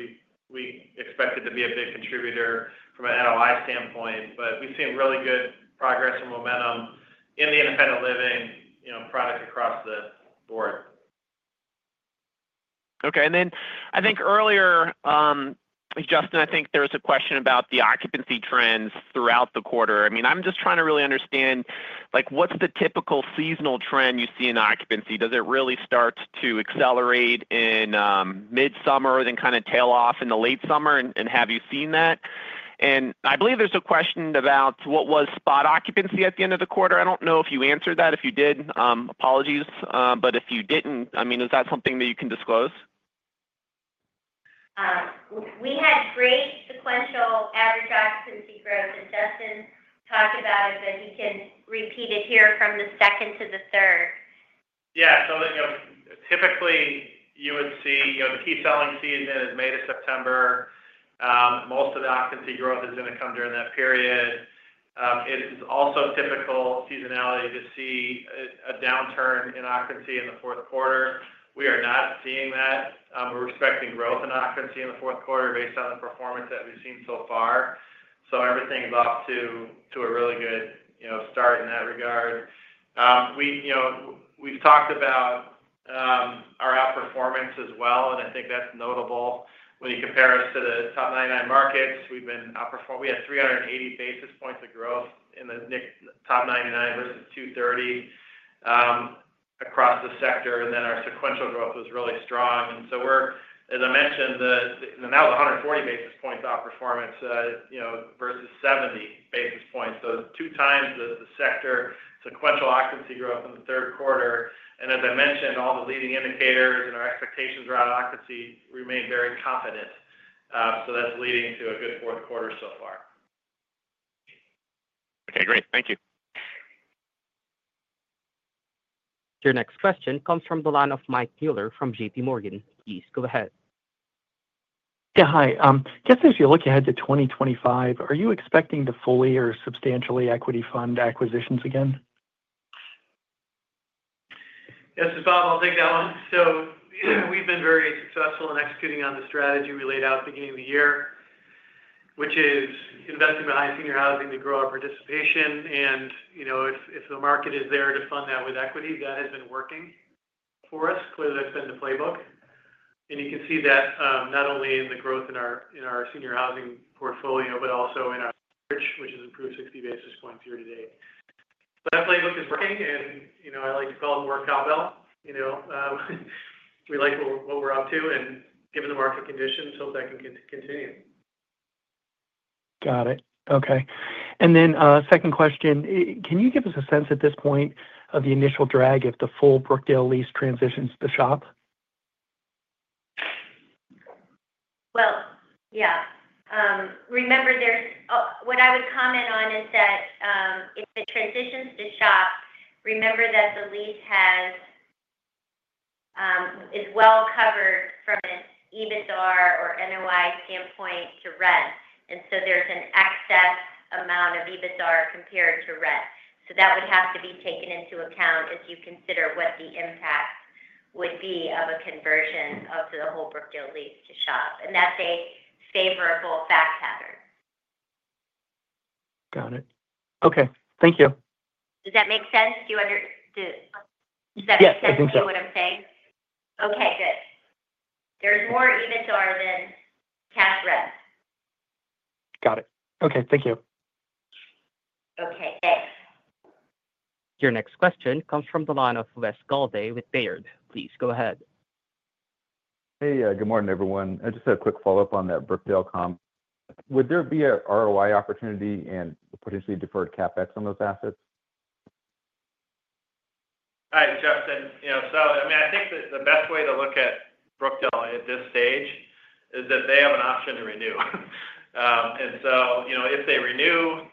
we expect it to be a big contributor from an NOI standpoint. But we've seen really good progress and momentum in the independent living product across the board. Okay. And then I think earlier, Justin, I think there was a question about the occupancy trends throughout the quarter. I mean, I'm just trying to really understand what's the typical seasonal trend you see in occupancy? Does it really start to accelerate in mid-summer and then kind of tail off in the late summer? And have you seen that? And I believe there's a question about what was spot occupancy at the end of the quarter. I don't know if you answered that. If you did, apologies. But if you didn't, I mean, is that something that you can disclose? We had great sequential average occupancy growth, and Justin talked about it, but he can repeat it here from the second to the third. Yeah. So typically, you would see the key selling season is May to September. Most of the occupancy growth is going to come during that period. It's also typical seasonality to see a downturn in occupancy in the fourth quarter. We are not seeing that. We're expecting growth in occupancy in the fourth quarter based on the performance that we've seen so far. So everything's off to a really good start in that regard. We've talked about our outperformance as well. And I think that's notable. When you compare us to the top 99 markets, we had 380 basis points of growth in the top 99 versus 230 across the sector. And then our sequential growth was really strong. And so we're, as I mentioned, and that was 140 basis points outperformance versus 70 basis points. So two times the sector sequential occupancy growth in the third quarter. As I mentioned, all the leading indicators and our expectations around occupancy remain very confident. That's leading to a good fourth quarter so far. Okay. Great. Thank you. Your next question comes from the line of Mike Mueller from J.P. Morgan. Please go ahead. Yeah. Hi. Justin, as you look ahead to 2025, are you expecting to fully or substantially equity fund acquisitions again? Yes, it's Bob. I'll take that one. So we've been very successful in executing on the strategy we laid out at the beginning of the year, which is investing behind senior housing to grow our participation. And if the market is there to fund that with equity, that has been working for us. Clearly, that's been the playbook. And you can see that not only in the growth in our senior housing portfolio, but also in our same-store, which has improved 60 basis points year to date. So that playbook is working. And I like to call it more cowbell. We like what we're up to. And given the market conditions, hope that can continue. Got it. Okay. And then second question, can you give us a sense at this point of the initial drag if the full Brookdale lease transitions to SHOP? Yeah. Remember, what I would comment on is that if it transitions to SHOP, remember that the lease is well covered from an EBITDA or NOI standpoint to rent. And so there's an excess amount of EBITDA compared to rent. So that would have to be taken into account as you consider what the impact would be of a conversion of the whole Brookdale lease to SHOP. And that's a favorable fact pattern. Got it. Okay. Thank you. Does that make sense? Does that make sense to you what I'm saying? Okay. Good. There's more EBITDA than cash rent. Got it. Okay. Thank you. Okay. Thanks. Your next question comes from the line of Wes Golladay with Baird. Please go ahead. Hey. Good morning, everyone. I just had a quick follow-up on that Brookdale comp. Would there be an ROI opportunity and potentially deferred CapEx on those assets? Hi, it's Justin. So I mean, I think the best way to look at Brookdale at this stage is that they have an option to renew. And so if they renew,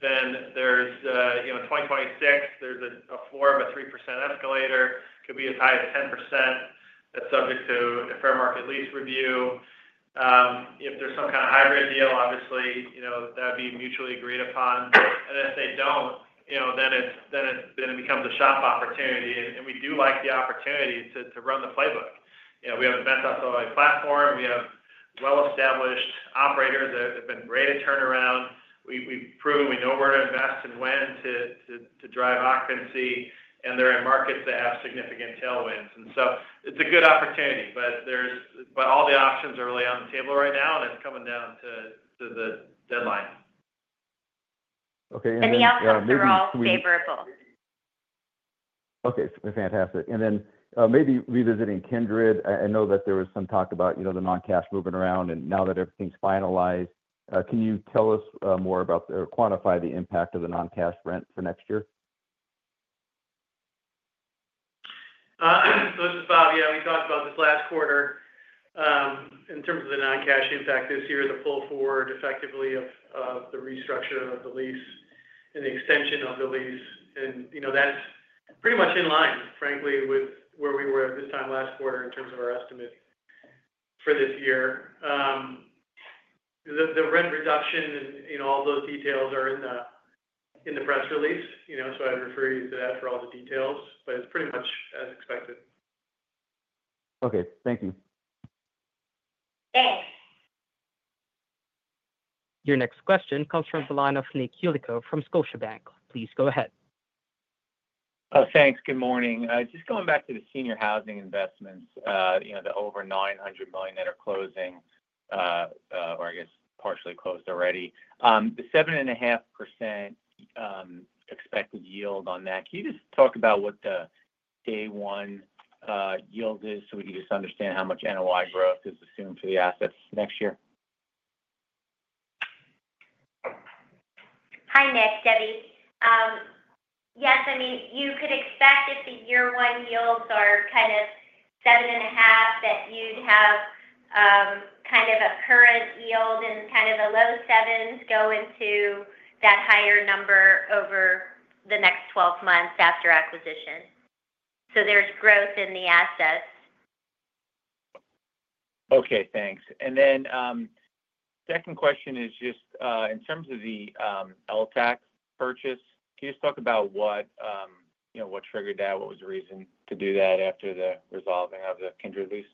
then there's, in 2026, a floor of a 3% escalator. It could be as high as 10%. That's subject to a fair market lease review. If there's some kind of hybrid deal, obviously, that would be mutually agreed upon. And if they don't, then it becomes a SHOP opportunity. And we do like the opportunity to run the playbook. We have the Ventas OI platform. We have well-established operators that have been great at turnaround. We've proven we know where to invest and when to drive occupancy. And they're in markets that have significant tailwinds. And so it's a good opportunity. But all the options are really on the table right now. And it's coming down to the deadline. The outcomes are all favorable. Okay. Fantastic. And then maybe revisiting Kindred, I know that there was some talk about the non-cash moving around. And now that everything's finalized, can you tell us more about or quantify the impact of the non-cash rent for next year? So this is Bob. Yeah. We talked about this last quarter in terms of the non-cash impact this year, the pull forward effectively of the restructure of the lease and the extension of the lease. And that's pretty much in line, frankly, with where we were at this time last quarter in terms of our estimate for this year. The rent reduction and all those details are in the press release. So I'd refer you to that for all the details. But it's pretty much as expected. Okay. Thank you. Thanks. Your next question comes from the line of Nick Yulico from Scotiabank. Please go ahead. Thanks. Good morning. Just going back to the senior housing investments, the over $900 million that are closing or I guess partially closed already, the 7.5% expected yield on that, can you just talk about what the day-one yield is so we can just understand how much NOI growth is assumed for the assets next year? Hi, Nick. Debbie. Yes. I mean, you could expect if the year-one yields are kind of 7.5, that you'd have kind of a current yield and kind of a low 7s go into that higher number over the next 12 months after acquisition. So there's growth in the assets. Okay. Thanks. And then second question is just in terms of the LTAC purchase, can you just talk about what triggered that? What was the reason to do that after the resolving of the Kindred lease?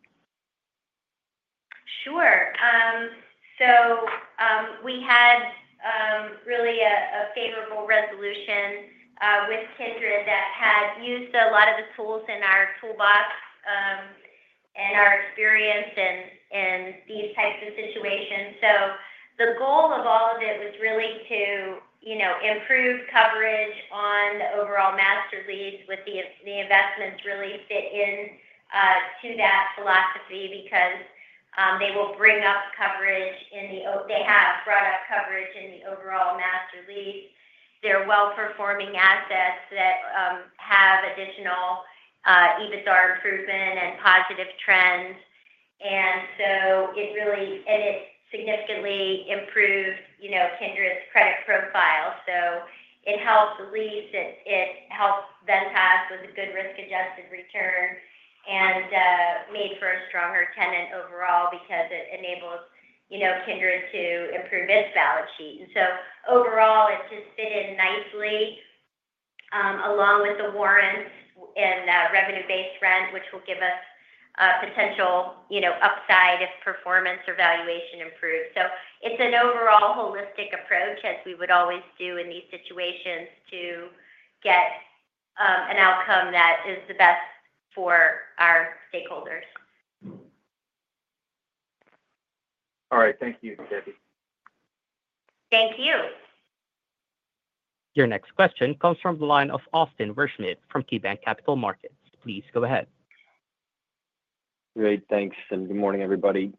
Sure. So we had really a favorable resolution with Kindred that had used a lot of the tools in our toolbox and our experience in these types of situations. So the goal of all of it was really to improve coverage on the overall master lease with the investments really fit into that philosophy because they will bring up coverage. They have brought up coverage in the overall master lease. They're well-performing assets that have additional EBITDA improvement and positive trends. And so it really significantly improved Kindred's credit profile. So it helped the lease. It helped Ventas with a good risk-adjusted return and made for a stronger tenant overall because it enables Kindred to improve its balance sheet. And so overall, it just fit in nicely along with the warrants and revenue-based rent, which will give us potential upside if performance or valuation improves. So it's an overall holistic approach, as we would always do in these situations, to get an outcome that is the best for our stakeholders. All right. Thank you, Debbie. Thank you. Your next question comes from the line of Austin Werschmidt from KeyBanc Capital Markets. Please go ahead. Great. Thanks. And good morning, everybody.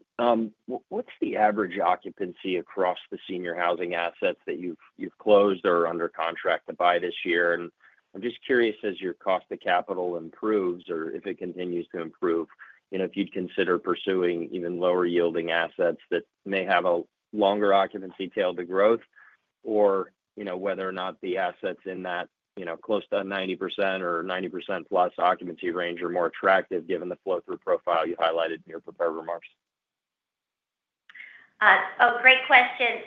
What's the average occupancy across the senior housing assets that you've closed or are under contract to buy this year? And I'm just curious, as your cost of capital improves or if it continues to improve, if you'd consider pursuing even lower-yielding assets that may have a longer occupancy tail to growth or whether or not the assets in that close to 90% or 90% plus occupancy range are more attractive given the flow-through profile you highlighted in your prepared remarks? Oh, great question.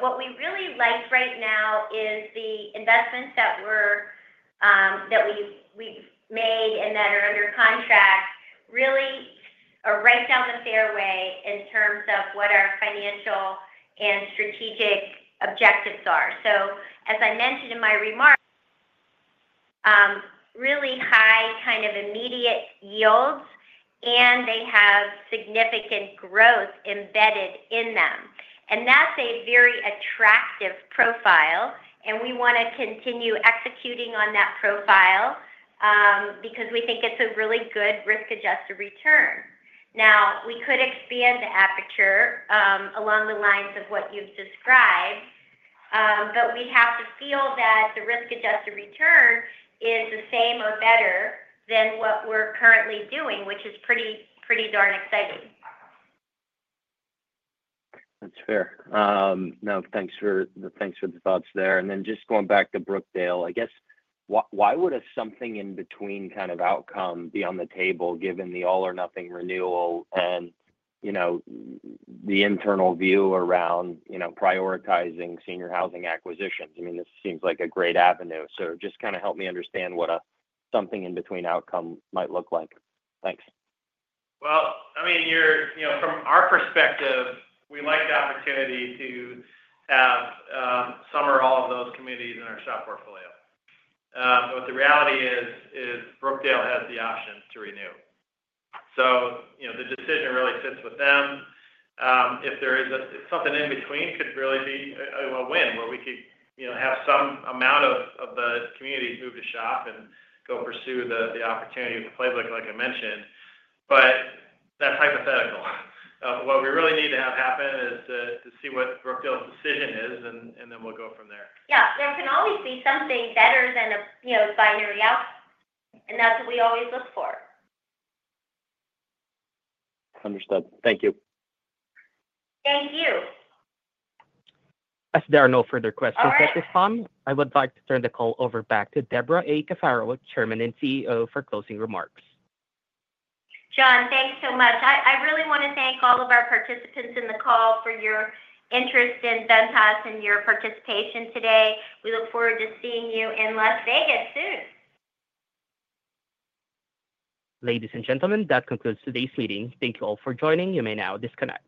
What we really like right now is the investments that we've made and that are under contract really are right down the fairway in terms of what our financial and strategic objectives are. So as I mentioned in my remarks, really high kind of immediate yields, and they have significant growth embedded in them. And that's a very attractive profile. And we want to continue executing on that profile because we think it's a really good risk-adjusted return. Now, we could expand the aperture along the lines of what you've described, but we have to feel that the risk-adjusted return is the same or better than what we're currently doing, which is pretty darn exciting. That's fair. No, thanks for the thoughts there. And then just going back to Brookdale, I guess, why would a something-in-between kind of outcome be on the table given the all-or-nothing renewal and the internal view around prioritizing senior housing acquisitions? I mean, this seems like a great avenue. So just kind of help me understand what a something-in-between outcome might look like. Thanks. Well, I mean, from our perspective, we like the opportunity to have some or all of those communities in our SHOP portfolio. But the reality is Brookdale has the option to renew. So the decision really sits with them. If there is something in between, it could really be a win where we could have some amount of the communities move to SHOP and go pursue the opportunity with the playbook, like I mentioned. But that's hypothetical. What we really need to have happen is to see what Brookdale's decision is, and then we'll go from there. Yeah. There can always be something better than a binary outcome, and that's what we always look for. Understood. Thank you. Thank you. As there are no further questions at this time, I would like to turn the call over back to Debra A. Cafaro, Chairman and CEO, for closing remarks. John, thanks so much. I really want to thank all of our participants in the call for your interest in Ventas and your participation today. We look forward to seeing you in Las Vegas soon. Ladies and gentlemen, that concludes today's meeting. Thank you all for joining. You may now disconnect.